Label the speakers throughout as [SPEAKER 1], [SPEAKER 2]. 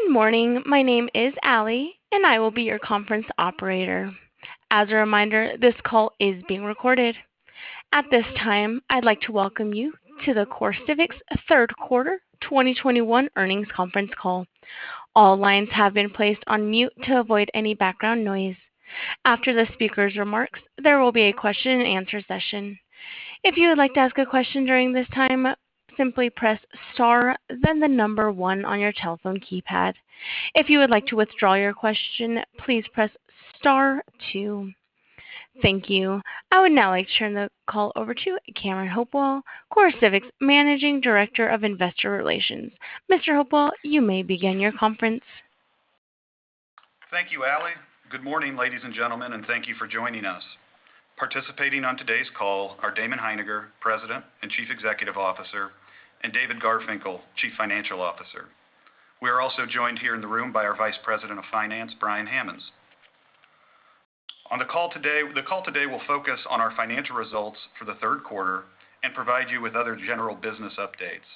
[SPEAKER 1] Good morning. My name is Eli, and I will be your conference operator. As a reminder, this call is being recorded. At this time, I'd like to welcome you to CoreCivic's third quarter 2021 earnings conference call. All lines have been placed on mute to avoid any background noise. After the speaker's remarks, there will be a question-and-answer session. If you would like to ask a question during this time, simply press star, then the number one on your telephone keypad. If you would like to withdraw your question, please press star two. Thank you. I would now like to turn the call over to Cameron Hopewell, CoreCivic's Managing Director of Investor Relations. Mr. Hopewell, you may begin your conference.
[SPEAKER 2] Thank you, Allie. Good morning, ladies and gentlemen, and thank you for joining us. Participating on today's call are Damon Hininger, President and Chief Executive Officer; and David Garfinkle, Chief Financial Officer. We are also joined here in the room by our Vice President of Finance, Brian Hammonds. The call today will focus on our financial results for the third quarter and provide you with other general business updates.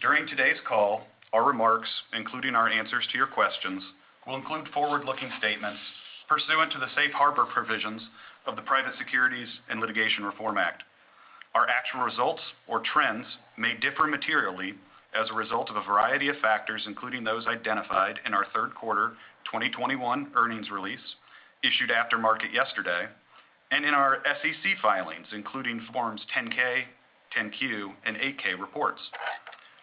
[SPEAKER 2] During today's call, our remarks, including our answers to your questions, will include forward-looking statements pursuant to the safe harbor provisions of the Private Securities Litigation Reform Act. Our actual results or trends may differ materially as a result of a variety of factors, including those identified in our third quarter 2021 earnings release issued after market yesterday and in our SEC filings, including Forms 10-K, 10-Q, and 8-K reports.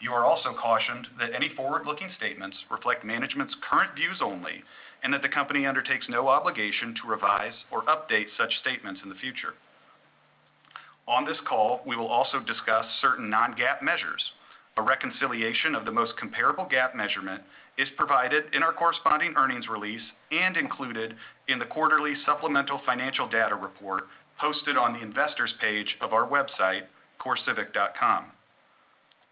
[SPEAKER 2] You are also cautioned that any forward-looking statements reflect management's current views only and that the company undertakes no obligation to revise or update such statements in the future. On this call, we will also discuss certain non-GAAP measures. A reconciliation of the most comparable GAAP measurement is provided in our corresponding earnings release and included in the quarterly supplemental financial data report posted on the Investors page of our website, corecivic.com.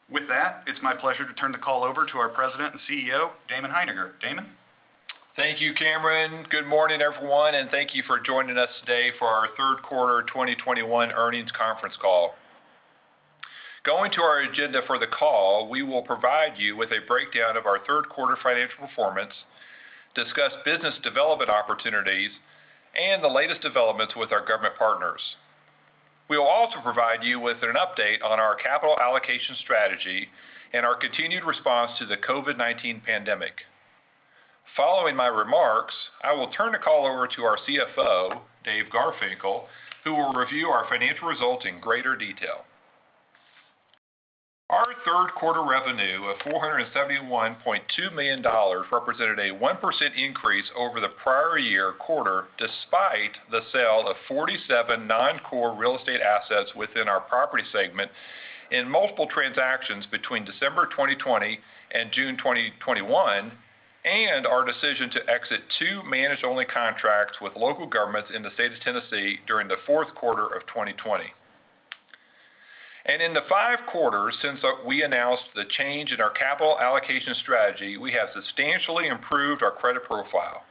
[SPEAKER 2] With that, it's my pleasure to turn the call over to our President and CEO, Damon Hininger. Damon.
[SPEAKER 3] Thank you, Cameron. Good morning, everyone, and thank you for joining us today for our third quarter 2021 earnings conference call. Going to our agenda for the call, we will provide you with a breakdown of our third quarter financial performance, discuss business development opportunities, and the latest developments with our government partners. We will also provide you with an update on our capital allocation strategy and our continued response to the COVID-19 pandemic. Following my remarks, I will turn the call over to our CFO, Dave Garfinkel, who will review our financial results in greater detail. Our third quarter revenue of $471.2 million represented a 1% increase over the prior year quarter, despite the sale of 47 non-core real estate assets within our property segment in multiple transactions between December 2020 and June 2021, and our decision to exit two manage-only contracts with local governments in the state of Tennessee during the fourth quarter of 2020. In the five quarters since we announced the change in our capital allocation strategy, we have substantially improved our credit profile,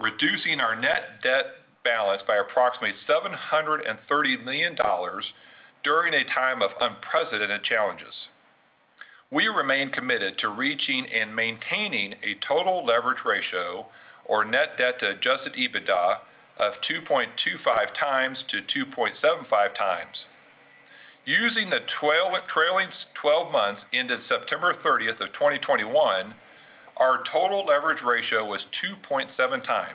[SPEAKER 3] reducing our net debt balance by approximately $730 million during a time of unprecedented challenges. We remain committed to reaching and maintaining a total leverage ratio or net debt to adjusted EBITDA of 2.25x-2.75x. Using the trailing twelve months ended September 30th, 2021, our total leverage ratio was 2.7x.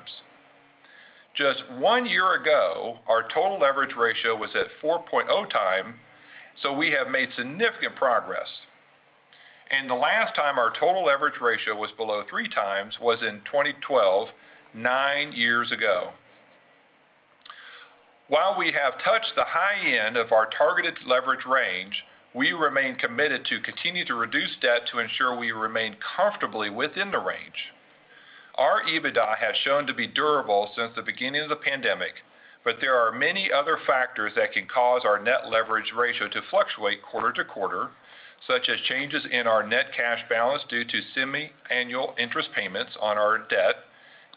[SPEAKER 3] Just one year ago, our total leverage ratio was at 4.0x, so we have made significant progress. The last time our total leverage ratio was below 3x was in 2012, nine years ago. While we have touched the high end of our targeted leverage range, we remain committed to continue to reduce debt to ensure we remain comfortably within the range. Our EBITDA has shown to be durable since the beginning of the pandemic, but there are many other factors that can cause our net leverage ratio to fluctuate quarter to quarter, such as changes in our net cash balance due to semi-annual interest payments on our debt,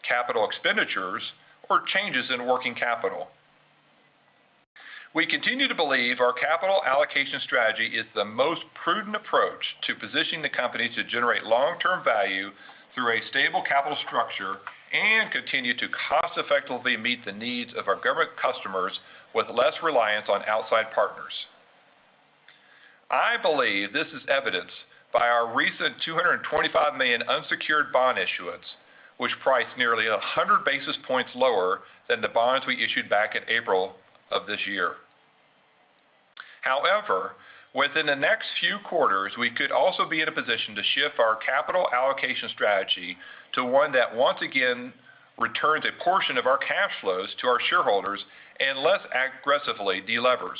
[SPEAKER 3] capital expenditures, or changes in working capital. We continue to believe our capital allocation strategy is the most prudent approach to positioning the company to generate long-term value through a stable capital structure and continue to cost-effectively meet the needs of our government customers with less reliance on outside partners. I believe this is evidenced by our recent $225 million unsecured bond issuance, which priced nearly 100 basis points lower than the bonds we issued back in April of this year. However, within the next few quarters, we could also be in a position to shift our capital allocation strategy to one that once again returns a portion of our cash flows to our shareholders and less aggressively de-levers.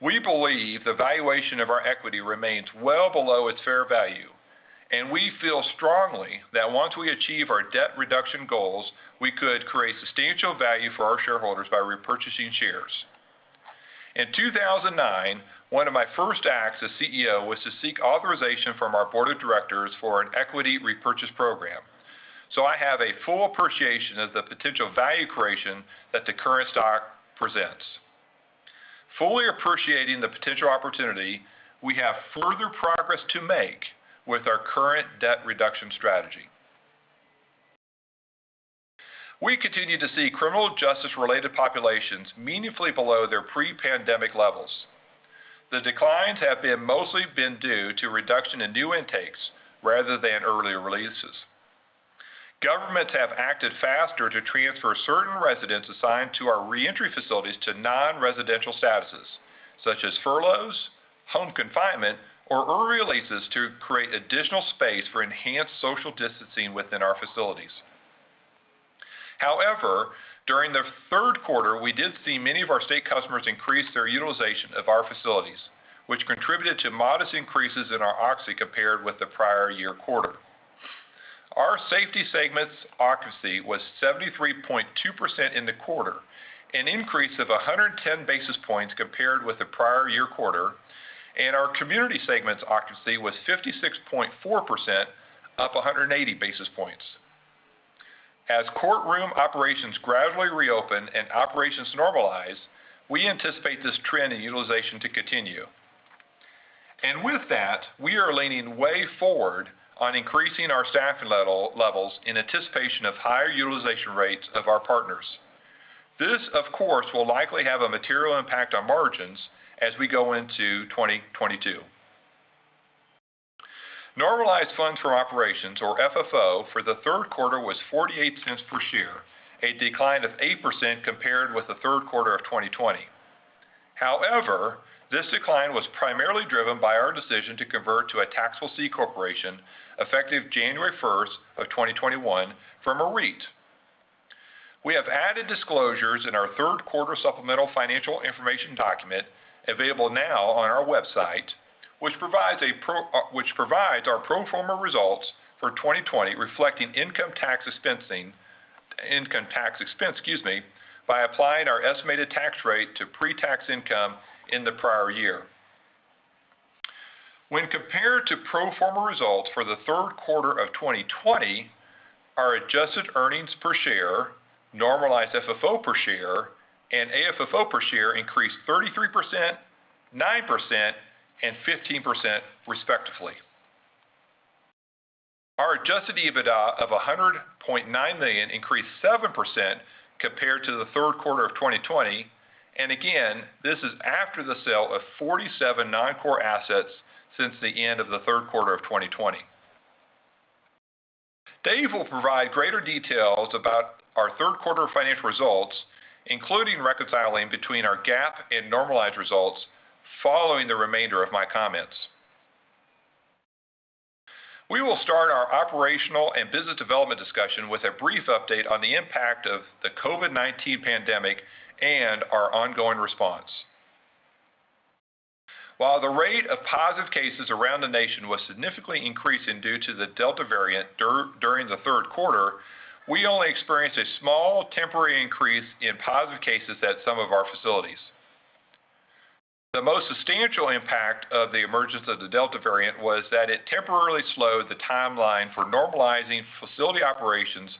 [SPEAKER 3] We believe the valuation of our equity remains well below its fair value, and we feel strongly that once we achieve our debt reduction goals, we could create substantial value for our shareholders by repurchasing shares. In 2009, one of my first acts as CEO was to seek authorization from our board of directors for an equity repurchase program. I have a full appreciation of the potential value creation that the current stock presents. Fully appreciating the potential opportunity, we have further progress to make with our current debt reduction strategy. We continue to see criminal justice-related populations meaningfully below their pre-pandemic levels. The declines have been mostly due to reduction in new intakes rather than early releases. Governments have acted faster to transfer certain residents assigned to our reentry facilities to non-residential statuses, such as furloughs, home confinement, or early releases to create additional space for enhanced social distancing within our facilities. However, during the third quarter, we did see many of our state customers increase their utilization of our facilities, which contributed to modest increases in our occupancy compared with the prior year quarter. Our safety segment's occupancy was 73.2% in the quarter, an increase of 110 basis points compared with the prior year quarter, and our community segment's occupancy was 56.4%, up 180 basis points. As courtroom operations gradually reopen and operations normalize, we anticipate this trend in utilization to continue. With that, we are leaning way forward on increasing our staffing levels in anticipation of higher utilization rates of our partners. This, of course, will likely have a material impact on margins as we go into 2022. Normalized funds for operations or FFO for the third quarter was $0.48 per share, a decline of 8% compared with the third quarter of 2020. However, this decline was primarily driven by our decision to convert to a taxable C corporation, effective January 1st, 2021 from a REIT. We have added disclosures in our third quarter supplemental financial information document available now on our website, which provides our pro forma results for 2020 reflecting income tax expense, excuse me, by applying our estimated tax rate to pre-tax income in the prior year. When compared to pro forma results for the third quarter of 2020, our adjusted earnings per share, normalized FFO per share, and AFFO per share increased 33%, 9%, and 15% respectively. Our adjusted EBITDA of $100.9 million increased 7% compared to the third quarter of 2020, and again, this is after the sale of 47 non-core assets since the end of the third quarter of 2020. Dave Garfinkel will provide greater details about our third quarter financial results, including reconciling between our GAAP and normalized results following the remainder of my comments. We will start our operational and business development discussion with a brief update on the impact of the COVID-19 pandemic and our ongoing response. While the rate of positive cases around the nation was significantly increasing due to the Delta variant during the third quarter, we only experienced a small temporary increase in positive cases at some of our facilities. The most substantial impact of the emergence of the Delta variant was that it temporarily slowed the timeline for normalizing facility operations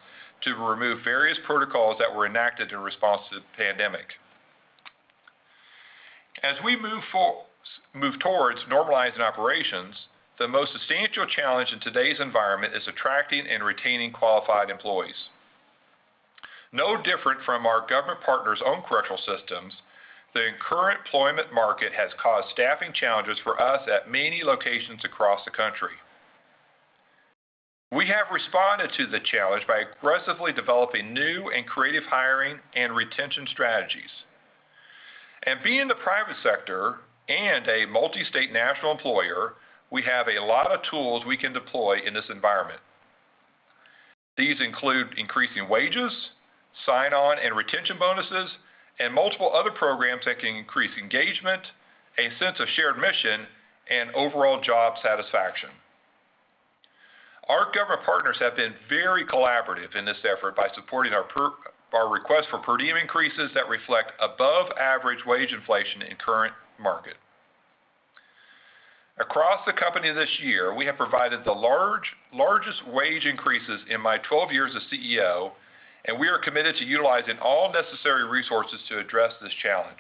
[SPEAKER 3] to remove various protocols that were enacted in response to the pandemic. As we move towards normalizing operations, the most substantial challenge in today's environment is attracting and retaining qualified employees. It's no different from our government partners' own correctional systems. The current employment market has caused staffing challenges for us at many locations across the country. We have responded to the challenge by aggressively developing new and creative hiring and retention strategies. Being in the private sector and a multi-state national employer, we have a lot of tools we can deploy in this environment. These include increasing wages, sign-on and retention bonuses, and multiple other programs that can increase engagement, a sense of shared mission, and overall job satisfaction. Our government partners have been very collaborative in this effort by supporting our request for per diem increases that reflect above average wage inflation in current market. Across the company this year, we have provided the largest wage increases in my 12 years as CEO, and we are committed to utilizing all necessary resources to address this challenge.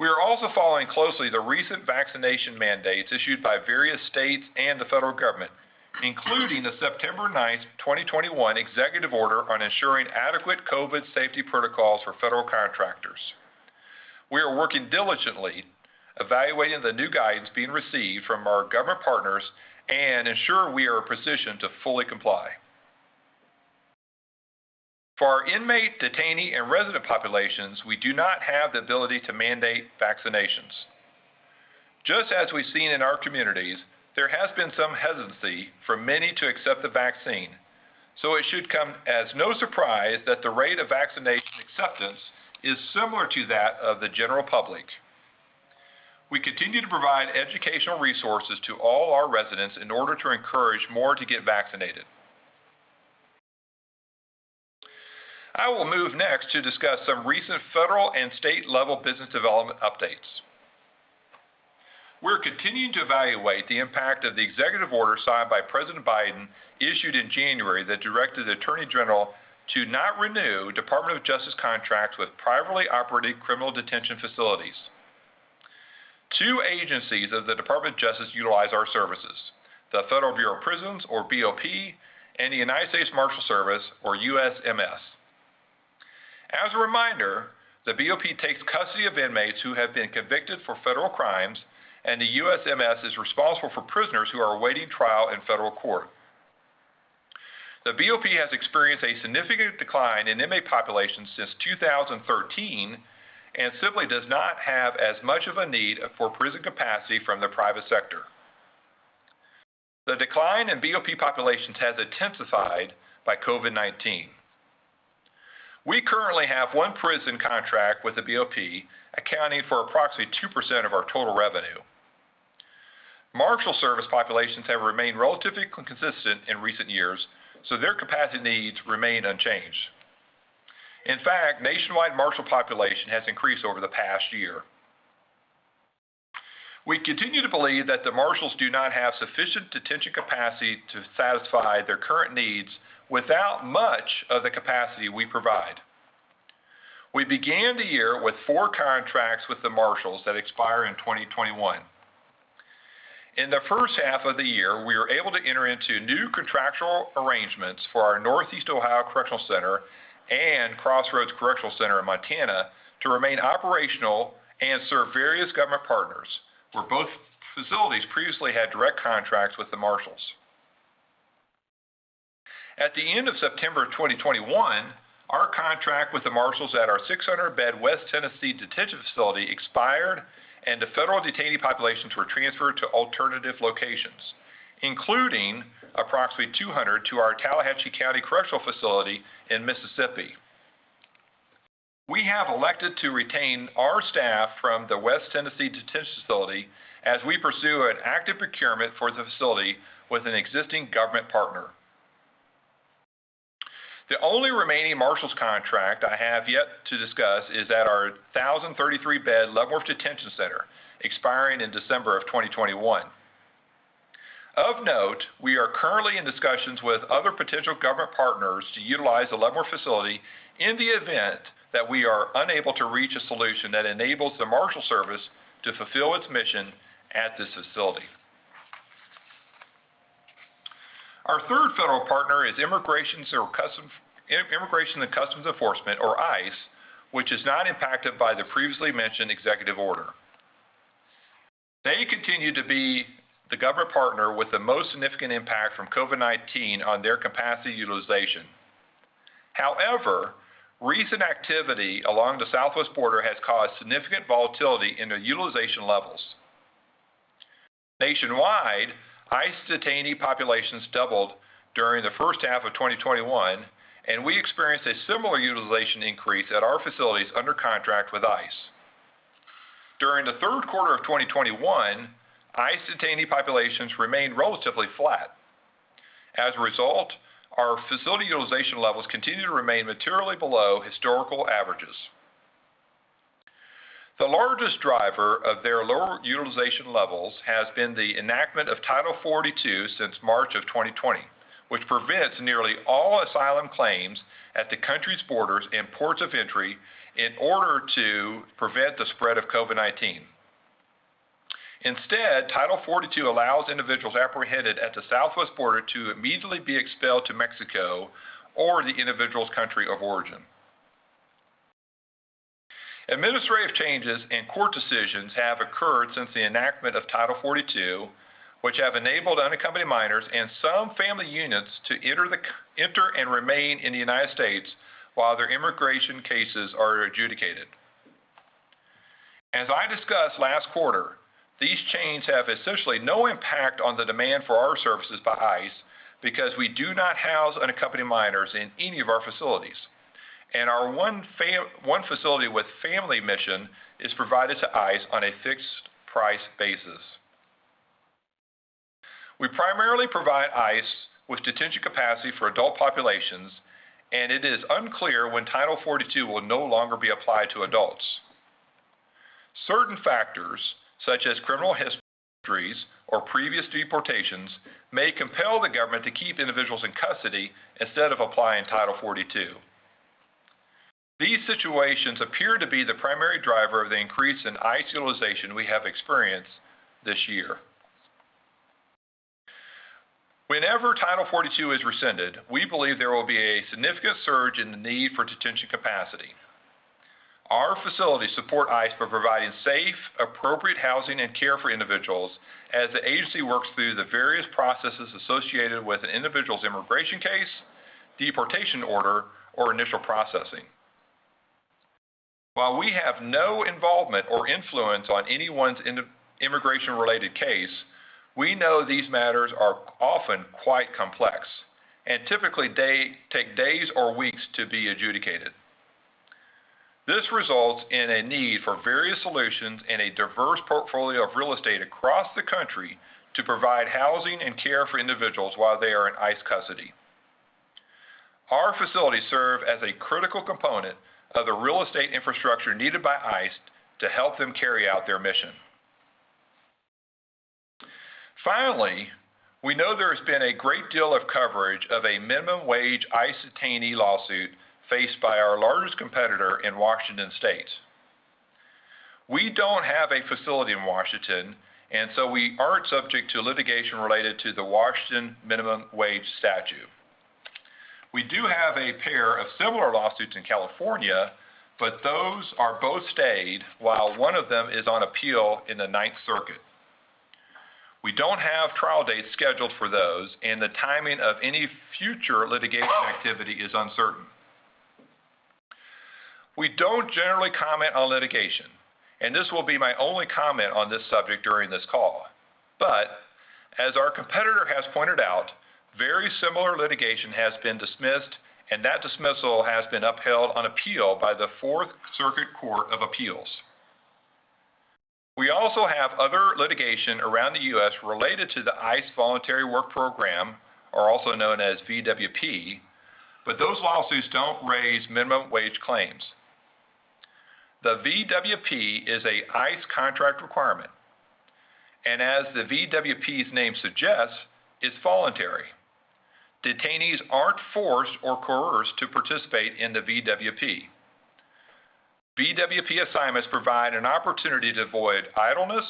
[SPEAKER 3] We are also following closely the recent vaccination mandates issued by various states and the federal government, including the September 9th, 2021 executive order on ensuring adequate COVID safety protocols for federal contractors. We are working diligently, evaluating the new guidance being received from our government partners and ensure we are in a position to fully comply. For our inmate, detainee, and resident populations, we do not have the ability to mandate vaccinations. Just as we've seen in our communities, there has been some hesitancy for many to accept the vaccine. It should come as no surprise that the rate of vaccination acceptance is similar to that of the general public. We continue to provide educational resources to all our residents in order to encourage more to get vaccinated. I will move next to discuss some recent federal and state-level business development updates. We're continuing to evaluate the impact of the executive order signed by President Biden issued in January that directed the Attorney General to not renew Department of Justice contracts with privately operated criminal detention facilities. Two agencies of the Department of Justice utilize our services, the Federal Bureau of Prisons, or BOP, and the United States Marshals Service, or USMS. As a reminder, the BOP takes custody of inmates who have been convicted for federal crimes, and the USMS is responsible for prisoners who are awaiting trial in federal court. The BOP has experienced a significant decline in inmate population since 2013 and simply does not have as much of a need for prison capacity from the private sector. The decline in BOP populations has intensified by COVID-19. We currently have one prison contract with the BOP accounting for approximately 2% of our total revenue. Marshals Service populations have remained relatively consistent in recent years, so their capacity needs remain unchanged. In fact, nationwide Marshals population has increased over the past year. We continue to believe that the Marshals do not have sufficient detention capacity to satisfy their current needs without much of the capacity we provide. We began the year with four contracts with the Marshals that expire in 2021. In the first half of the year, we were able to enter into new contractual arrangements for our Northeast Ohio Correctional Center and Crossroads Correctional Center in Montana to remain operational and serve various government partners, where both facilities previously had direct contracts with the Marshals. At the end of September 2021, our contract with the Marshals at our 600-bed West Tennessee Detention Facility expired, and the federal detainee populations were transferred to alternative locations, including approximately 200 to our Tallahatchie County Correctional Facility in Mississippi. We have elected to retain our staff from the West Tennessee Detention Facility as we pursue an active procurement for the facility with an existing government partner. The only remaining Marshals contract I have yet to discuss is at our 1,033-bed Leavenworth Detention Center, expiring in December 2021. Of note, we are currently in discussions with other potential government partners to utilize the Leavenworth facility in the event that we are unable to reach a solution that enables the Marshals Service to fulfill its mission at this facility. Our third federal partner is Immigration and Customs Enforcement, or ICE, which is not impacted by the previously mentioned executive order. They continue to be the government partner with the most significant impact from COVID-19 on their capacity utilization. However, recent activity along the southwest border has caused significant volatility in their utilization levels. Nationwide, ICE detainee populations doubled during the first half of 2021, and we experienced a similar utilization increase at our facilities under contract with ICE. During the third quarter of 2021, ICE detainee populations remained relatively flat. As a result, our facility utilization levels continue to remain materially below historical averages. The largest driver of their lower utilization levels has been the enactment of Title 42 since March of 2020, which prevents nearly all asylum claims at the country's borders and ports of entry in order to prevent the spread of COVID-19. Instead, Title 42 allows individuals apprehended at the southwest border to immediately be expelled to Mexico or the individual's country of origin. Administrative changes and court decisions have occurred since the enactment of Title 42, which have enabled unaccompanied minors and some family units to enter the cou... enter and remain in the United States while their immigration cases are adjudicated. As I discussed last quarter, these changes have essentially no impact on the demand for our services by ICE because we do not house unaccompanied minors in any of our facilities, and our one facility with family mission is provided to ICE on a fixed price basis. We primarily provide ICE with detention capacity for adult populations, and it is unclear when Title 42 will no longer be applied to adults. Certain factors, such as criminal histories or previous deportations, may compel the government to keep individuals in custody instead of applying Title 42. These situations appear to be the primary driver of the increase in ICE utilization we have experienced this year. Whenever Title 42 is rescinded, we believe there will be a significant surge in the need for detention capacity. Our facilities support ICE by providing safe, appropriate housing and care for individuals as the agency works through the various processes associated with an individual's immigration case, deportation order, or initial processing. While we have no involvement or influence on anyone's immigration-related case, we know these matters are often quite complex and typically take days or weeks to be adjudicated. This results in a need for various solutions and a diverse portfolio of real estate across the country to provide housing and care for individuals while they are in ICE custody. Our facilities serve as a critical component of the real estate infrastructure needed by ICE to help them carry out their mission. Finally, we know there has been a great deal of coverage of a minimum wage ICE detainee lawsuit faced by our largest competitor in Washington State. We don't have a facility in Washington, and so we aren't subject to litigation related to the Washington minimum wage statute. We do have a pair of similar lawsuits in California, but those are both stayed while one of them is on appeal in the Ninth Circuit. We don't have trial dates scheduled for those, and the timing of any future litigation activity is uncertain. We don't generally comment on litigation, and this will be my only comment on this subject during this call. As our competitor has pointed out, very similar litigation has been dismissed, and that dismissal has been upheld on appeal by the Fourth Circuit Court of Appeals. We also have other litigation around the U.S. related to the ICE Voluntary Work Program, or also known as VWP, but those lawsuits don't raise minimum wage claims. The VWP is an ICE contract requirement, and as the VWP's name suggests, it's voluntary. Detainees aren't forced or coerced to participate in the VWP. VWP assignments provide an opportunity to avoid idleness,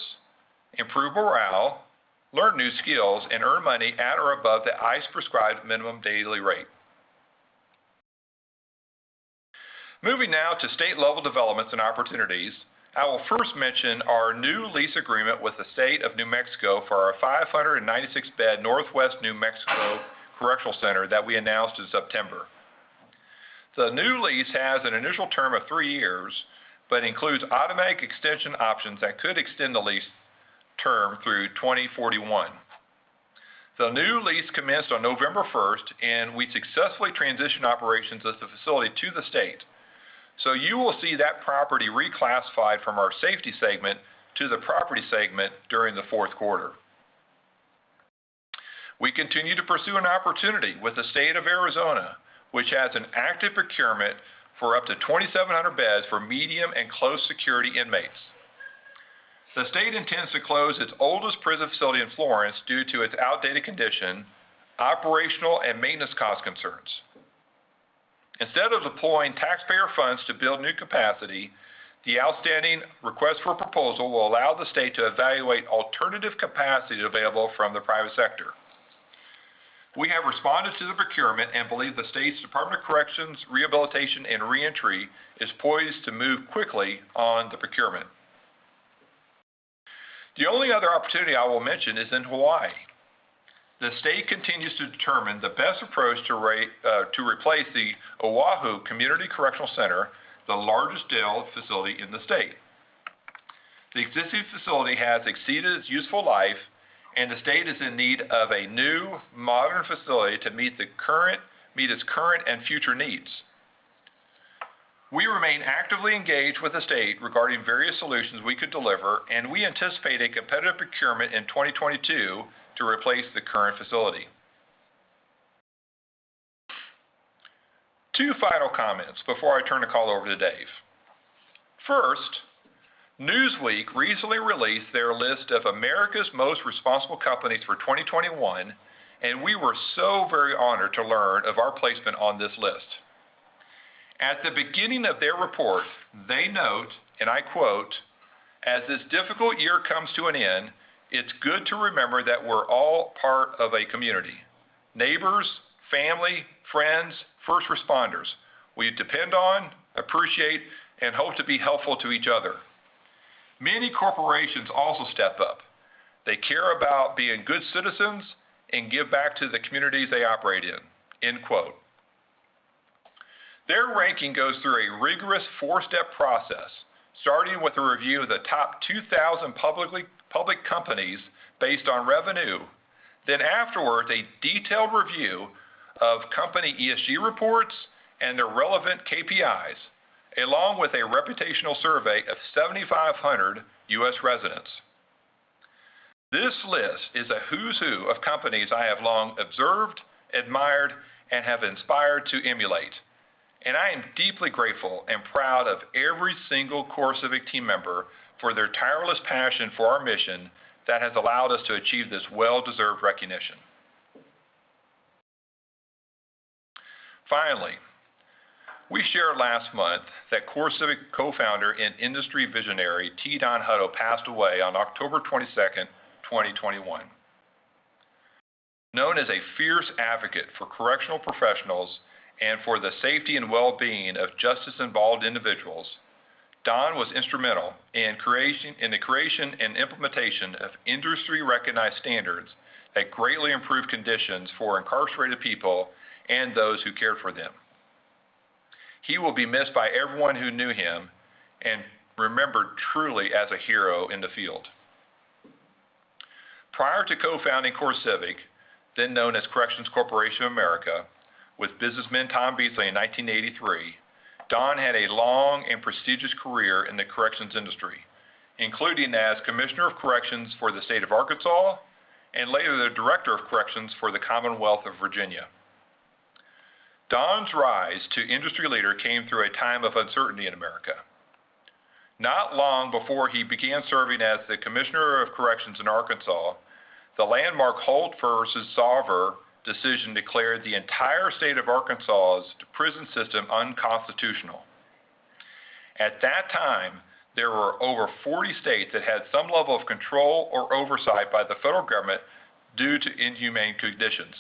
[SPEAKER 3] improve morale, learn new skills, and earn money at or above the ICE-prescribed minimum daily rate. Moving now to state-level developments and opportunities, I will first mention our new lease agreement with the state of New Mexico for our 596-bed Northwest New Mexico Correctional Center that we announced in September. The new lease has an initial term of three years but includes automatic extension options that could extend the lease term through 2041. The new lease commenced on November 1st, and we successfully transitioned operations of the facility to the state. You will see that property reclassified from our safety segment to the property segment during the fourth quarter. We continue to pursue an opportunity with the state of Arizona, which has an active procurement for up to 2,700 beds for medium and close security inmates. The state intends to close its oldest prison facility in Florence due to its outdated condition, operational and maintenance cost concerns. Instead of deploying taxpayer funds to build new capacity, the outstanding request for proposal will allow the state to evaluate alternative capacity available from the private sector. We have responded to the procurement and believe the state's Department of Corrections, Rehabilitation & Reentry is poised to move quickly on the procurement. The only other opportunity I will mention is in Hawaii. The state continues to determine the best approach to replace the Oahu Community Correctional Center, the largest jail facility in the state. The existing facility has exceeded its useful life, and the state is in need of a new modern facility to meet its current and future needs. We remain actively engaged with the state regarding various solutions we could deliver, and we anticipate a competitive procurement in 2022 to replace the current facility. Two final comments before I turn the call over to Dave Garfinkel. First, Newsweek recently released their list of America's most responsible companies for 2021, and we were so very honored to learn of our placement on this list. At the beginning of their report, they note, and I quote, "As this difficult year comes to an end, it's good to remember that we're all part of a community. Neighbors, family, friends, first responders, we depend on, appreciate, and hope to be helpful to each other. Many corporations also step up. They care about being good citizens and give back to the communities they operate in." End quote. Their ranking goes through a rigorous four-step process, starting with a review of the top 2,000 public companies based on revenue, then afterwards, a detailed review of company ESG reports and their relevant KPIs, along with a reputational survey of 7,500 U.S. residents. This list is a who's who of companies I have long observed, admired, and have inspired to emulate. I am deeply grateful and proud of every single CoreCivic team member for their tireless passion for our mission that has allowed us to achieve this well-deserved recognition. Finally, we shared last month that CoreCivic co-founder and industry visionary, T. Don Hutto, passed away on October 22nd, 2021. Known as a fierce advocate for correctional professionals and for the safety and well-being of justice-involved individuals, Don was instrumental in the creation and implementation of industry-recognized standards that greatly improved conditions for incarcerated people and those who cared for them. He will be missed by everyone who knew him and remembered truly as a hero in the field. Prior to co-founding CoreCivic, then known as Corrections Corporation of America, with businessman Tom Beasley in 1983, Don had a long and prestigious career in the corrections industry, including as Commissioner of Corrections for the state of Arkansas and later, the Director of Corrections for the Commonwealth of Virginia. Don's rise to industry leader came through a time of uncertainty in America. Not long before he began serving as the Commissioner of Corrections in Arkansas, the landmark Holt v. Sarver decision declared the entire state of Arkansas's prison system unconstitutional. At that time, there were over 40 states that had some level of control or oversight by the federal government due to inhumane conditions.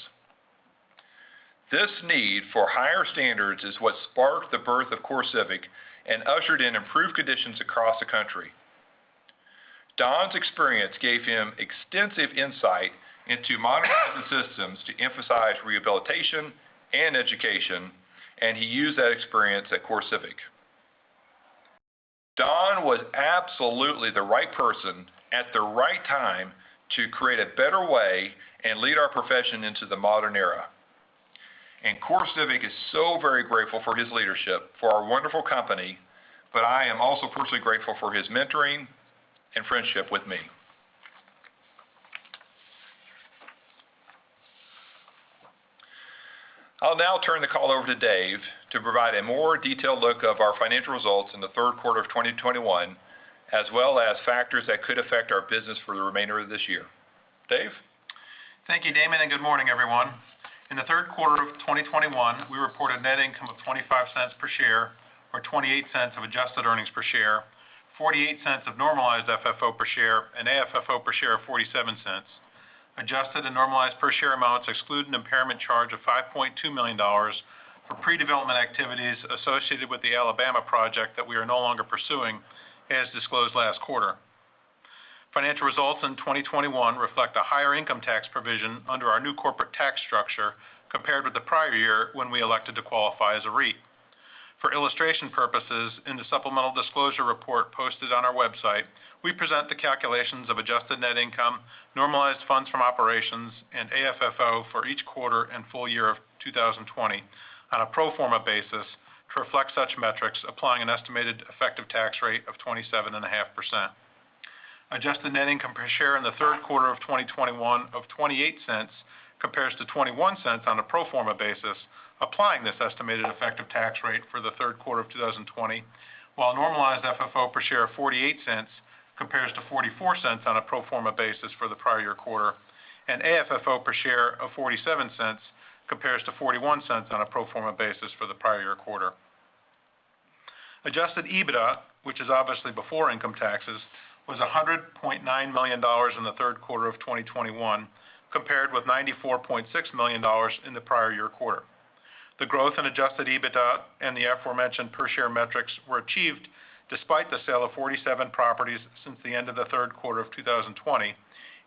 [SPEAKER 3] This need for higher standards is what sparked the birth of CoreCivic and ushered in improved conditions across the country. Don's experience gave him extensive insight into modern prison systems to emphasize rehabilitation and education, and he used that experience at CoreCivic. Don was absolutely the right person at the right time to create a better way and lead our profession into the modern era. CoreCivic is so very grateful for his leadership for our wonderful company, but I am also personally grateful for his mentoring and friendship with me. I'll now turn the call over to Dave to provide a more detailed look at our financial results in the third quarter of 2021, as well as factors that could affect our business for the remainder of this year. Dave?
[SPEAKER 4] Thank you, Damon, and good morning, everyone. In the third quarter of 2021, we reported net income of $0.25 per share or $0.28 of adjusted earnings per share, $0.48 of normalized FFO per share, and AFFO per share of $0.47 adjusted and normalized per share amounts exclude an impairment charge of $5.2 million for pre-development activities associated with the Alabama project that we are no longer pursuing, as disclosed last quarter. Financial results in 2021 reflect a higher income tax provision under our new corporate tax structure compared with the prior year when we elected to qualify as a REIT. For illustration purposes, in the supplemental disclosure report posted on our website, we present the calculations of adjusted net income, normalized funds from operations, and AFFO for each quarter and full year of 2020 on a pro forma basis to reflect such metrics, applying an estimated effective tax rate of 27.5%. Adjusted net income per share in the third quarter of 2021 of $0.28 compares to $0.21 on a pro forma basis, applying this estimated effective tax rate for the third quarter of 2020, while normalized FFO per share of $0.48 compares to $0.44 on a pro forma basis for the prior year quarter, and AFFO per share of $0.47 compares to $0.41 on a pro forma basis for the prior year quarter. Adjusted EBITDA, which is obviously before income taxes, was $100.9 million in the third quarter of 2021, compared with $94.6 million in the prior year quarter. The growth in adjusted EBITDA and the aforementioned per share metrics were achieved despite the sale of 47 properties since the end of the third quarter of 2020,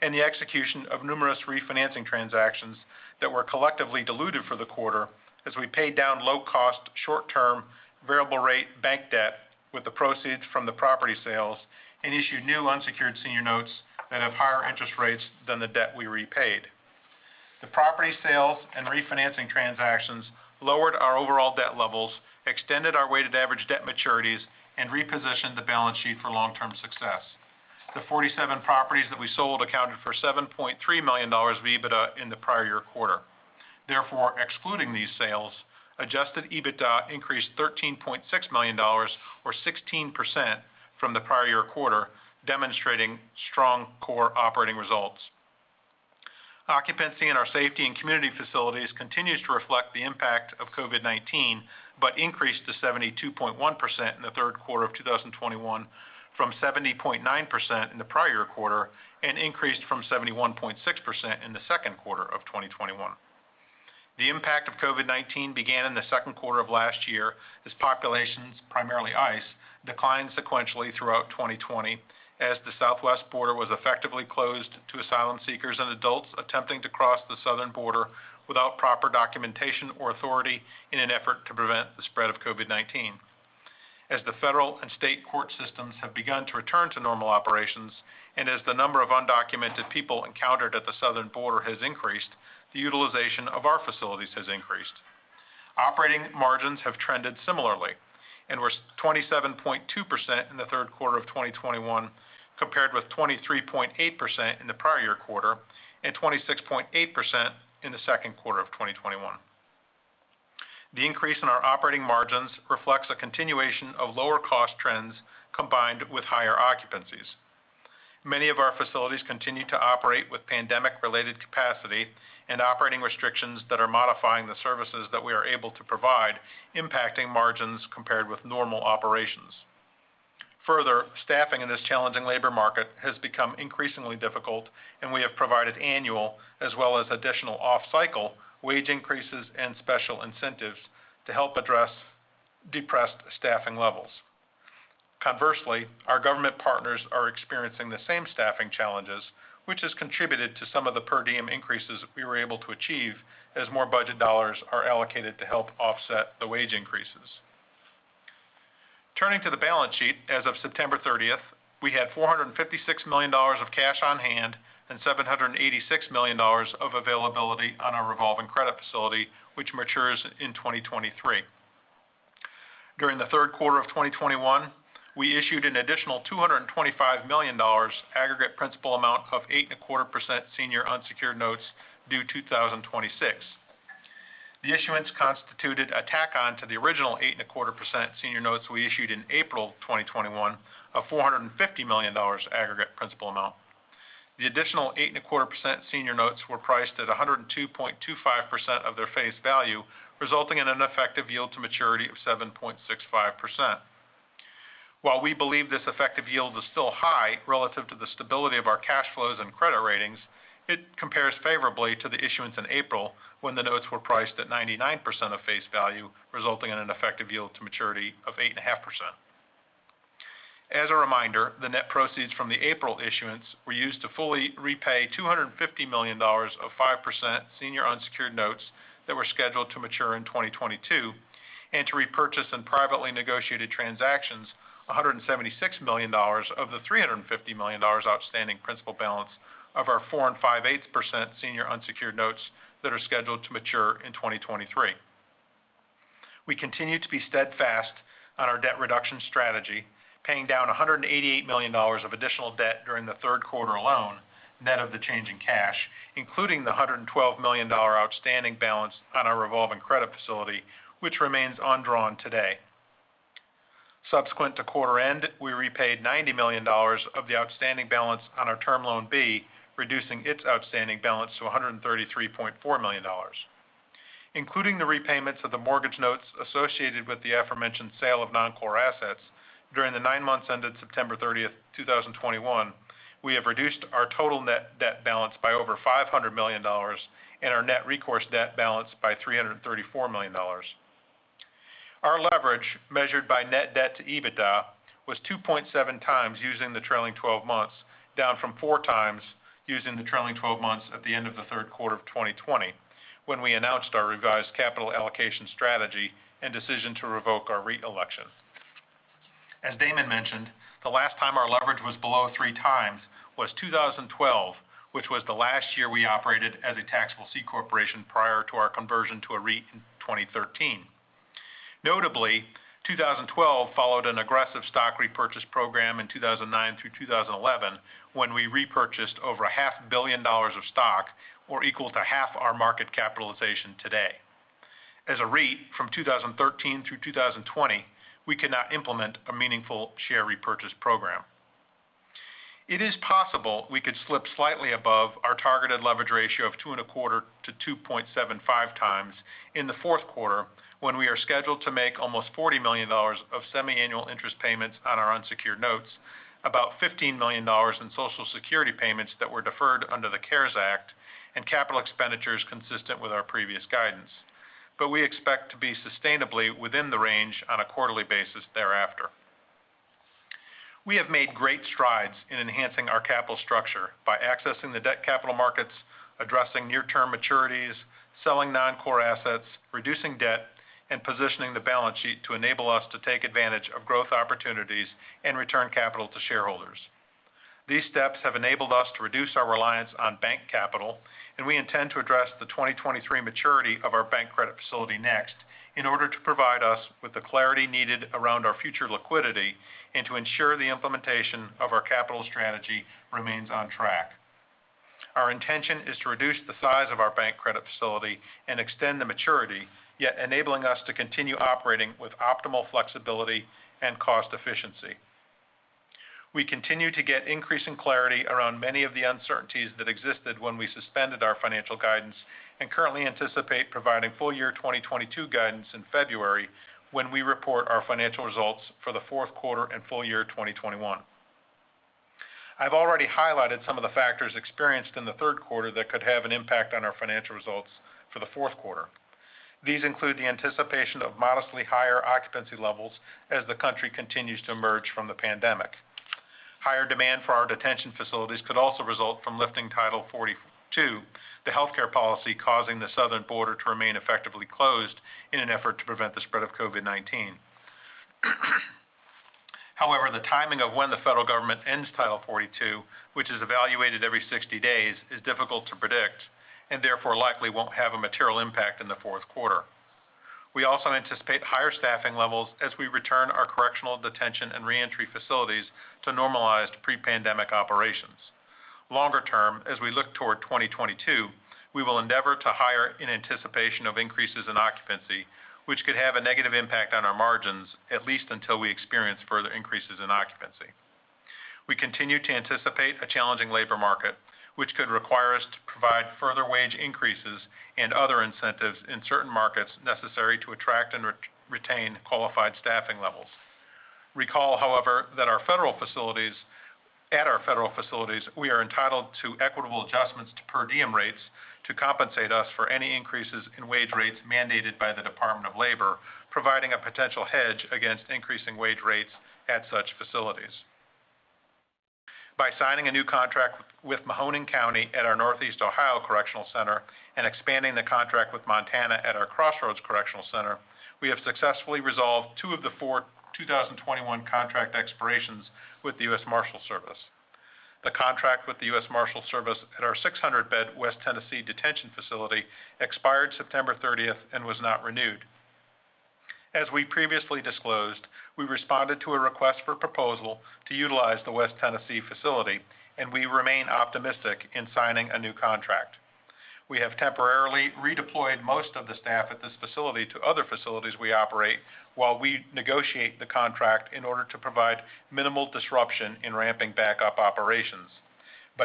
[SPEAKER 4] and the execution of numerous refinancing transactions that were collectively diluted for the quarter as we paid down low cost, short term, variable rate bank debt with the proceeds from the property sales and issued new unsecured senior notes that have higher interest rates than the debt we repaid. The property sales and refinancing transactions lowered our overall debt levels, extended our weighted average debt maturities, and repositioned the balance sheet for long-term success. The 47 properties that we sold accounted for $7.3 million of EBITDA in the prior year quarter. Therefore, excluding these sales, adjusted EBITDA increased $13.6 million or 16% from the prior year quarter, demonstrating strong core operating results. Occupancy in our safety and community facilities continues to reflect the impact of COVID-19, but increased to 72.1% in the third quarter of 2021 from 70.9% in the prior year quarter, and increased from 71.6% in the second quarter of 2021. The impact of COVID-19 began in the second quarter of last year as populations, primarily ICE, declined sequentially throughout 2020 as the Southwest border was effectively closed to asylum seekers and adults attempting to cross the southern border without proper documentation or authority in an effort to prevent the spread of COVID-19. As the federal and state court systems have begun to return to normal operations, and as the number of undocumented people encountered at the southern border has increased, the utilization of our facilities has increased. Operating margins have trended similarly and were 27.2% in the third quarter of 2021, compared with 23.8% in the prior year quarter and 26.8% in the second quarter of 2021. The increase in our operating margins reflects a continuation of lower cost trends combined with higher occupancies. Many of our facilities continue to operate with pandemic related capacity and operating restrictions that are modifying the services that we are able to provide, impacting margins compared with normal operations. Further, staffing in this challenging labor market has become increasingly difficult, and we have provided annual as well as additional off-cycle wage increases and special incentives to help address depressed staffing levels. Conversely, our government partners are experiencing the same staffing challenges, which has contributed to some of the per diem increases we were able to achieve as more budget dollars are allocated to help offset the wage increases. Turning to the balance sheet, as of September 30th, we had $456 million of cash on hand and $786 million of availability on our revolving credit facility, which matures in 2023. During the third quarter of 2021, we issued an additional $225 million aggregate principal amount of 8.25% senior unsecured notes due 2026. The issuance constituted a tack on to the original 8.25% senior notes we issued in April 2021 of $450 million aggregate principal amount. The additional 8.25% senior notes were priced at 102.25% of their face value, resulting in an effective yield to maturity of 7.65%. While we believe this effective yield is still high relative to the stability of our cash flows and credit ratings, it compares favorably to the issuance in April when the notes were priced at 99% of face value, resulting in an effective yield to maturity of 8.5%. As a reminder, the net proceeds from the April issuance were used to fully repay $250 million of 5% senior unsecured notes that were scheduled to mature in 2022, and to repurchase in privately negotiated transactions $176 million of the $350 million outstanding principal balance of our 4.58% senior unsecured notes that are scheduled to mature in 2023. We continue to be steadfast on our debt reduction strategy, paying down $188 million of additional debt during the third quarter alone, net of the change in cash, including the $112 million outstanding balance on our revolving credit facility, which remains undrawn today. Subsequent to quarter end, we repaid $90 million of the outstanding balance on our Term Loan B, reducing its outstanding balance to $133.4 million. Including the repayments of the mortgage notes associated with the aforementioned sale of non-core assets, during the nine months ended September 30th, 2021, we have reduced our total net debt balance by over $500 million and our net recourse debt balance by $334 million. Our leverage, measured by net debt to EBITDA, was 2.7x using the trailing twelve months, down from 4x using the trailing twelve months at the end of the third quarter of 2020, when we announced our revised capital allocation strategy and decision to revoke our reelection. As Damon mentioned, the last time our leverage was below 3x was 2012, which was the last year we operated as a taxable C corporation prior to our conversion to a REIT in 2013. Notably, 2012 followed an aggressive stock repurchase program in 2009 through 2011 when we repurchased over $500 billion of stock or equal to half our market capitalization today. As a REIT from 2013 through 2020, we could not implement a meaningful share repurchase program. It is possible we could slip slightly above our targeted leverage ratio of 2.25-2.75x in the fourth quarter when we are scheduled to make almost $40 million of semiannual interest payments on our unsecured notes, about $15 million in Social Security payments that were deferred under the CARES Act, and capital expenditures consistent with our previous guidance. We expect to be sustainably within the range on a quarterly basis thereafter. We have made great strides in enhancing our capital structure by accessing the debt capital markets, addressing near-term maturities, selling non-core assets, reducing debt, and positioning the balance sheet to enable us to take advantage of growth opportunities and return capital to shareholders. These steps have enabled us to reduce our reliance on bank capital, and we intend to address the 2023 maturity of our bank credit facility next in order to provide us with the clarity needed around our future liquidity and to ensure the implementation of our capital strategy remains on track. Our intention is to reduce the size of our bank credit facility and extend the maturity, yet enabling us to continue operating with optimal flexibility and cost efficiency. We continue to get increasing clarity around many of the uncertainties that existed when we suspended our financial guidance and currently anticipate providing full year 2022 guidance in February when we report our financial results for the fourth quarter and full year 2021. I've already highlighted some of the factors experienced in the third quarter that could have an impact on our financial results for the fourth quarter. These include the anticipation of modestly higher occupancy levels as the country continues to emerge from the pandemic. Higher demand for our detention facilities could also result from lifting Title 42, the healthcare policy causing the southern border to remain effectively closed in an effort to prevent the spread of COVID-19. However, the timing of when the federal government ends Title 42, which is evaluated every 60 days, is difficult to predict, and therefore, likely won't have a material impact in the fourth quarter. We also anticipate higher staffing levels as we return our correctional detention and reentry facilities to normalized pre-pandemic operations. Longer term, as we look toward 2022, we will endeavor to hire in anticipation of increases in occupancy, which could have a negative impact on our margins, at least until we experience further increases in occupancy. We continue to anticipate a challenging labor market, which could require us to provide further wage increases and other incentives in certain markets necessary to attract and retain qualified staffing levels. Recall, however, that at our federal facilities, we are entitled to equitable adjustments to per diem rates to compensate us for any increases in wage rates mandated by the Department of Labor, providing a potential hedge against increasing wage rates at such facilities. By signing a new contract with Mahoning County at our Northeast Ohio Correctional Center and expanding the contract with Montana at our Crossroads Correctional Center, we have successfully resolved two of the four 2021 contract expirations with the U.S. Marshals Service. The contract with the U.S. Marshals Service at our 600-bed West Tennessee detention facility expired September 30th and was not renewed. As we previously disclosed, we responded to a request for proposal to utilize the West Tennessee facility, and we remain optimistic in signing a new contract. We have temporarily redeployed most of the staff at this facility to other facilities we operate while we negotiate the contract in order to provide minimal disruption in ramping back up operations.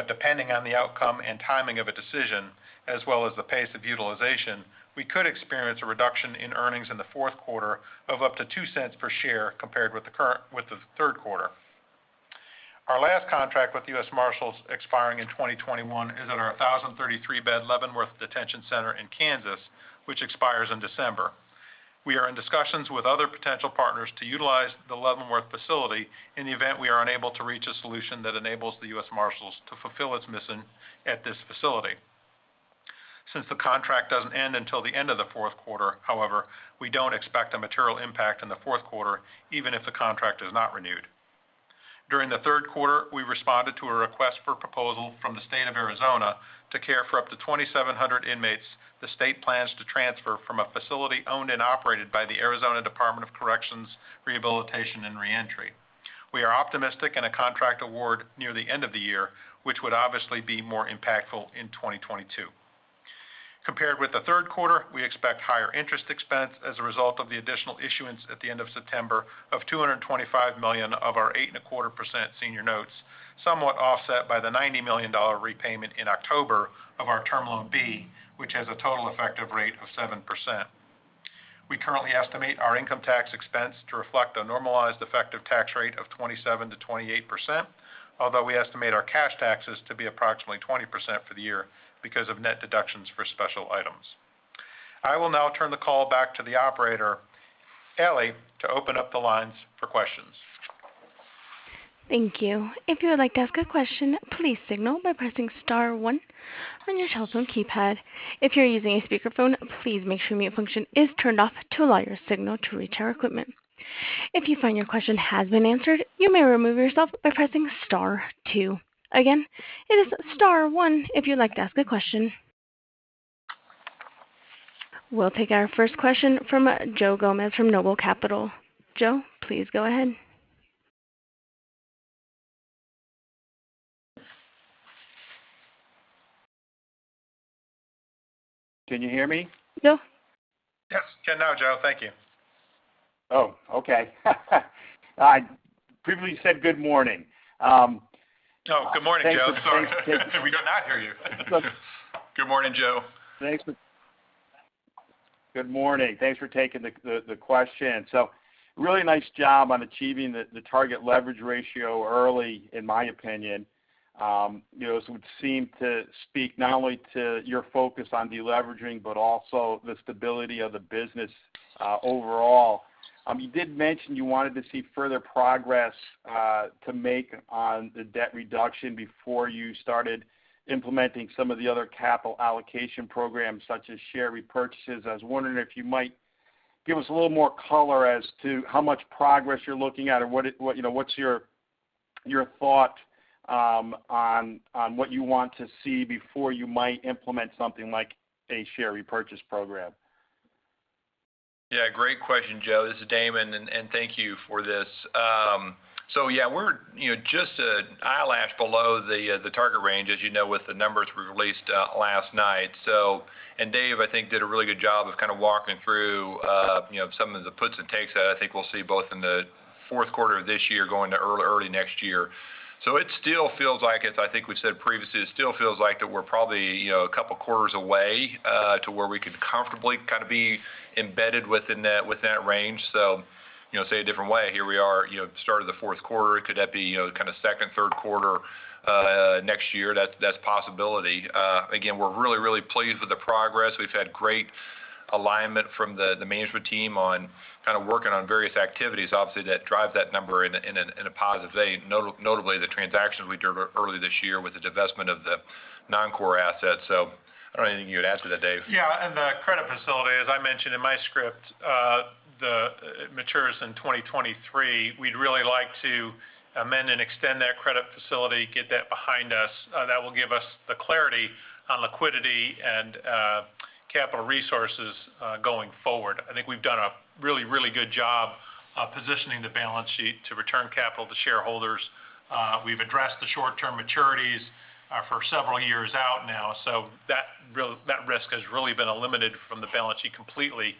[SPEAKER 4] Depending on the outcome and timing of a decision, as well as the pace of utilization, we could experience a reduction in earnings in the fourth quarter of up to $0.02 per share compared with the third quarter. Our last contract with the U.S. Marshals expiring in 2021 is at our 1,033-bed Leavenworth Detention Center in Kansas, which expires in December. We are in discussions with other potential partners to utilize the Leavenworth facility in the event we are unable to reach a solution that enables the U.S. Marshals to fulfill its mission at this facility. Since the contract doesn't end until the end of the fourth quarter, however, we don't expect a material impact in the fourth quarter, even if the contract is not renewed. During the third quarter, we responded to a request for proposal from the state of Arizona to care for up to 2,700 inmates the state plans to transfer from a facility owned and operated by the Arizona Department of Corrections, Rehabilitation & Reentry. We are optimistic in a contract award near the end of the year, which would obviously be more impactful in 2022. Compared with the third quarter, we expect higher interest expense as a result of the additional issuance at the end of September of $225 million of our 8.25% senior notes, somewhat offset by the $90 million repayment in October of our Term Loan B, which has a total effective rate of 7%. We currently estimate our income tax expense to reflect a normalized effective tax rate of 27%-28%, although we estimate our cash taxes to be approximately 20% for the year because of net deductions for special items. I will now turn the call back to the operator, Ellie, to open up the lines for questions.
[SPEAKER 1] Thank you. If you would like to ask a question, please signal by pressing star one on your telephone keypad. If you're using a speakerphone, please make sure mute function is turned off to allow your signal to reach our equipment. If you find your question has been answered, you may remove yourself by pressing star two. Again, it is star one if you'd like to ask a question. We'll take our first question from Joe Gomes from Noble Capital. Joe, please go ahead.
[SPEAKER 5] Can you hear me?
[SPEAKER 1] No.
[SPEAKER 3] Yes. Can now, Joe. Thank you.
[SPEAKER 5] Oh, okay. I previously said good morning.
[SPEAKER 3] Oh, good morning, Joe. Sorry. We did not hear you. Good morning, Joe.
[SPEAKER 5] Good morning. Thanks for taking the question. So really nice job on achieving the target leverage ratio early, in my opinion. You know, this would seem to speak not only to your focus on deleveraging, but also the stability of the business overall. You did mention you wanted to see further progress to make on the debt reduction before you started implementing some of the other capital allocation programs, such as share repurchases. I was wondering if you might give us a little more color as to how much progress you're looking at, or what, you know, what's your thought on what you want to see before you might implement something like a share repurchase program.
[SPEAKER 3] Yeah, great question, Joe. This is Damon, and thank you for this. Yeah, we're, you know, just an eyelash below the target range, as you know, with the numbers we released last night. Dave, I think, did a really good job of kind of walking through, you know, some of the puts and takes that I think we'll see both in the fourth quarter of this year going to early next year. It still feels like it's, I think we've said previously. It still feels like that we're probably, you know, a couple quarters away to where we could comfortably kind of be embedded within that range. You know, say a different way, here we are, you know, start of the fourth quarter. It could be that, you know, kind of second or third quarter next year. That's a possibility. Again, we're really pleased with the progress. We've had great alignment from the management team on kind of working on various activities, obviously, that drive that number in a positive way, notably the transactions we did early this year with the divestment of the non-core assets. I don't know anything you would add to that, Dave.
[SPEAKER 4] The credit facility, as I mentioned in my script, it matures in 2023. We'd really like to amend and extend that credit facility, get that behind us. That will give us the clarity on liquidity and capital resources going forward. I think we've done a really good job of positioning the balance sheet to return capital to shareholders. We've addressed the short-term maturities for several years out now, so that risk has really been eliminated from the balance sheet completely.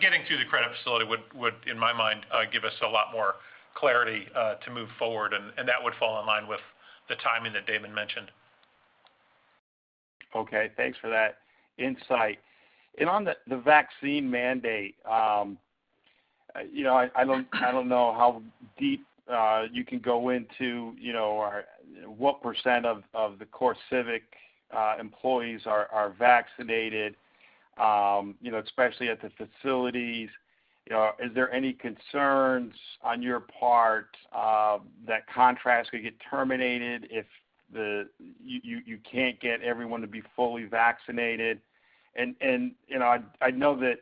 [SPEAKER 4] Getting through the credit facility would, in my mind, give us a lot more clarity to move forward, and that would fall in line with the timing that Damon mentioned. Okay. Thanks for that insight.
[SPEAKER 5] On the vaccine mandate, you know, I don't know how deep you can go into, you know, or what percent of the CoreCivic employees are vaccinated, you know, especially at the facilities. You know, is there any concerns on your part that contracts could get terminated if you can't get everyone to be fully vaccinated? I know that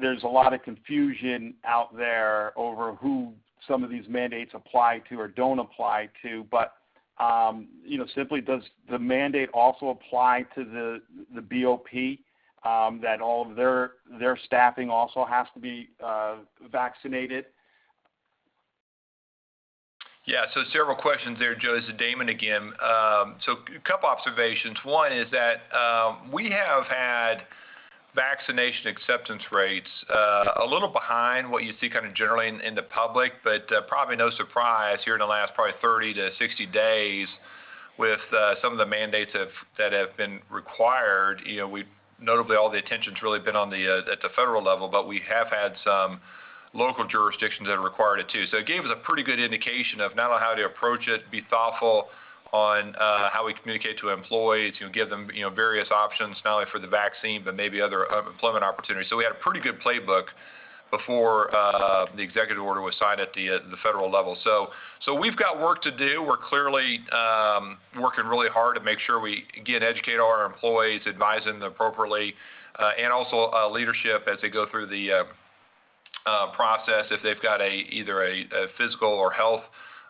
[SPEAKER 5] there's a lot of confusion out there over who some of these mandates apply to or don't apply to. Simply, does the mandate also apply to the BOP that all of their staffing also has to be vaccinated?
[SPEAKER 3] Yeah. Several questions there, Joe. This is Damon again. A couple observations. One is that we have had vaccination acceptance rates a little behind what you see kind of generally in the public. But probably no surprise here in the last probably 30-60 days with some of the mandates that have been required. You know, notably, all the attention's really been on the federal level, but we have had some local jurisdictions that have required it too. It gave us a pretty good indication of not only how to approach it, be thoughtful on how we communicate to employees, give them you know various options not only for the vaccine, but maybe other employment opportunities. We had a pretty good playbook before the executive order was signed at the federal level. We've got work to do. We're clearly working really hard to make sure we, again, educate all our employees, advise them appropriately, and also leadership as they go through the process if they've got either a physical or health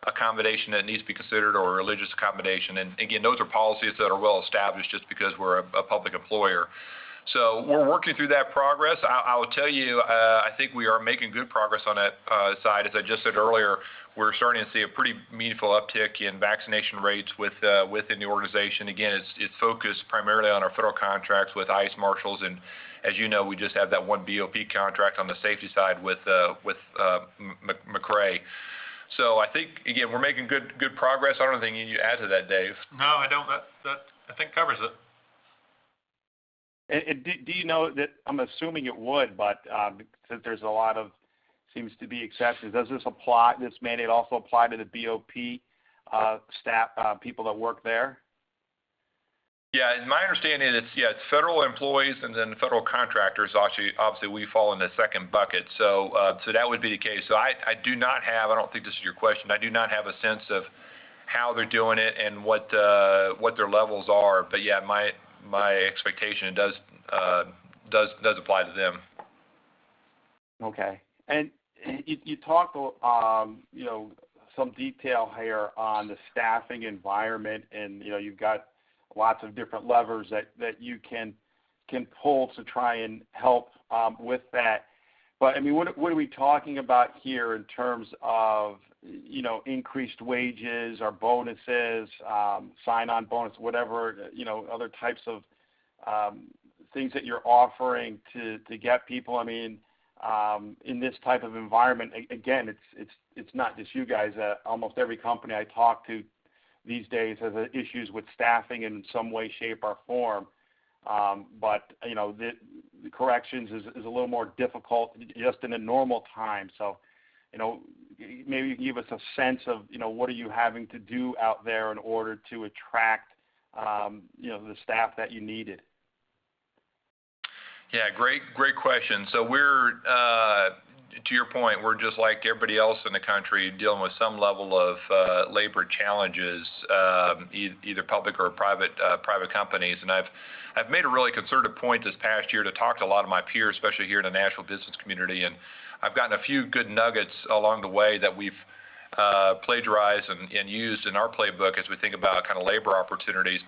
[SPEAKER 3] accommodation that needs to be considered or a religious accommodation. Again, those are policies that are well established just because we're a public employer. We're working through that progress. I will tell you, I think we are making good progress on that side. As I just said earlier, we're starting to see a pretty meaningful uptick in vaccination rates within the organization. Again, it's focused primarily on our federal contracts with ICE and Marshals, and as you know, we just have that one BOP contract on the safety side with McRae. I think, again, we're making good progress. I don't know anything you add to that, Dave.
[SPEAKER 4] No, I don't. That I think covers it.
[SPEAKER 5] Do you know that I'm assuming it would, but since there's a lot of seems to be exceptions, does this apply, this mandate also apply to the BOP staff, people that work there?
[SPEAKER 3] In my understanding, it's federal employees and then federal contractors. Obviously, we fall in the second bucket. That would be the case. I don't think this is your question. I do not have a sense of how they're doing it and what their levels are. My expectation, it does apply to them.
[SPEAKER 5] Okay. You talk, you know, some detail here on the staffing environment and, you know, you've got lots of different levers that you can pull to try and help with that. I mean, what are we talking about here in terms of, you know, increased wages or bonuses, sign-on bonus, whatever, you know, other types of things that you're offering to get people? I mean, in this type of environment, again, it's not just you guys. Almost every company I talk to these days has issues with staffing in some way, shape, or form. You know, the corrections is a little more difficult just in a normal time. You know, maybe give us a sense of, you know, what are you having to do out there in order to attract, you know, the staff that you needed?
[SPEAKER 3] Yeah. Great question. We're, to your point, we're just like everybody else in the country dealing with some level of labor challenges, either public or private companies. I've made a really concerted point this past year to talk to a lot of my peers, especially here in the national business community. I've gotten a few good nuggets along the way that we've plagiarized and used in our playbook as we think about kind of labor opportunities.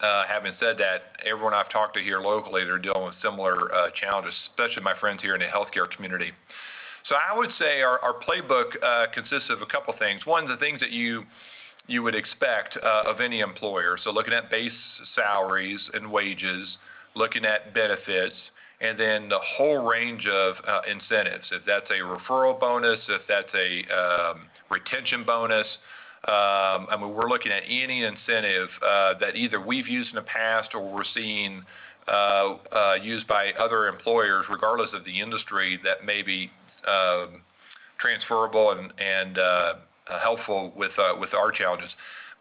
[SPEAKER 3] Having said that, everyone I've talked to here locally, they're dealing with similar challenges, especially my friends here in the healthcare community. I would say our playbook consists of a couple things. One of the things that you would expect of any employer, so looking at base salaries and wages, looking at benefits, and then the whole range of incentives, if that's a referral bonus, if that's a retention bonus. I mean, we're looking at any incentive that either we've used in the past or we're seeing used by other employers, regardless of the industry that may be transferable and helpful with our challenges.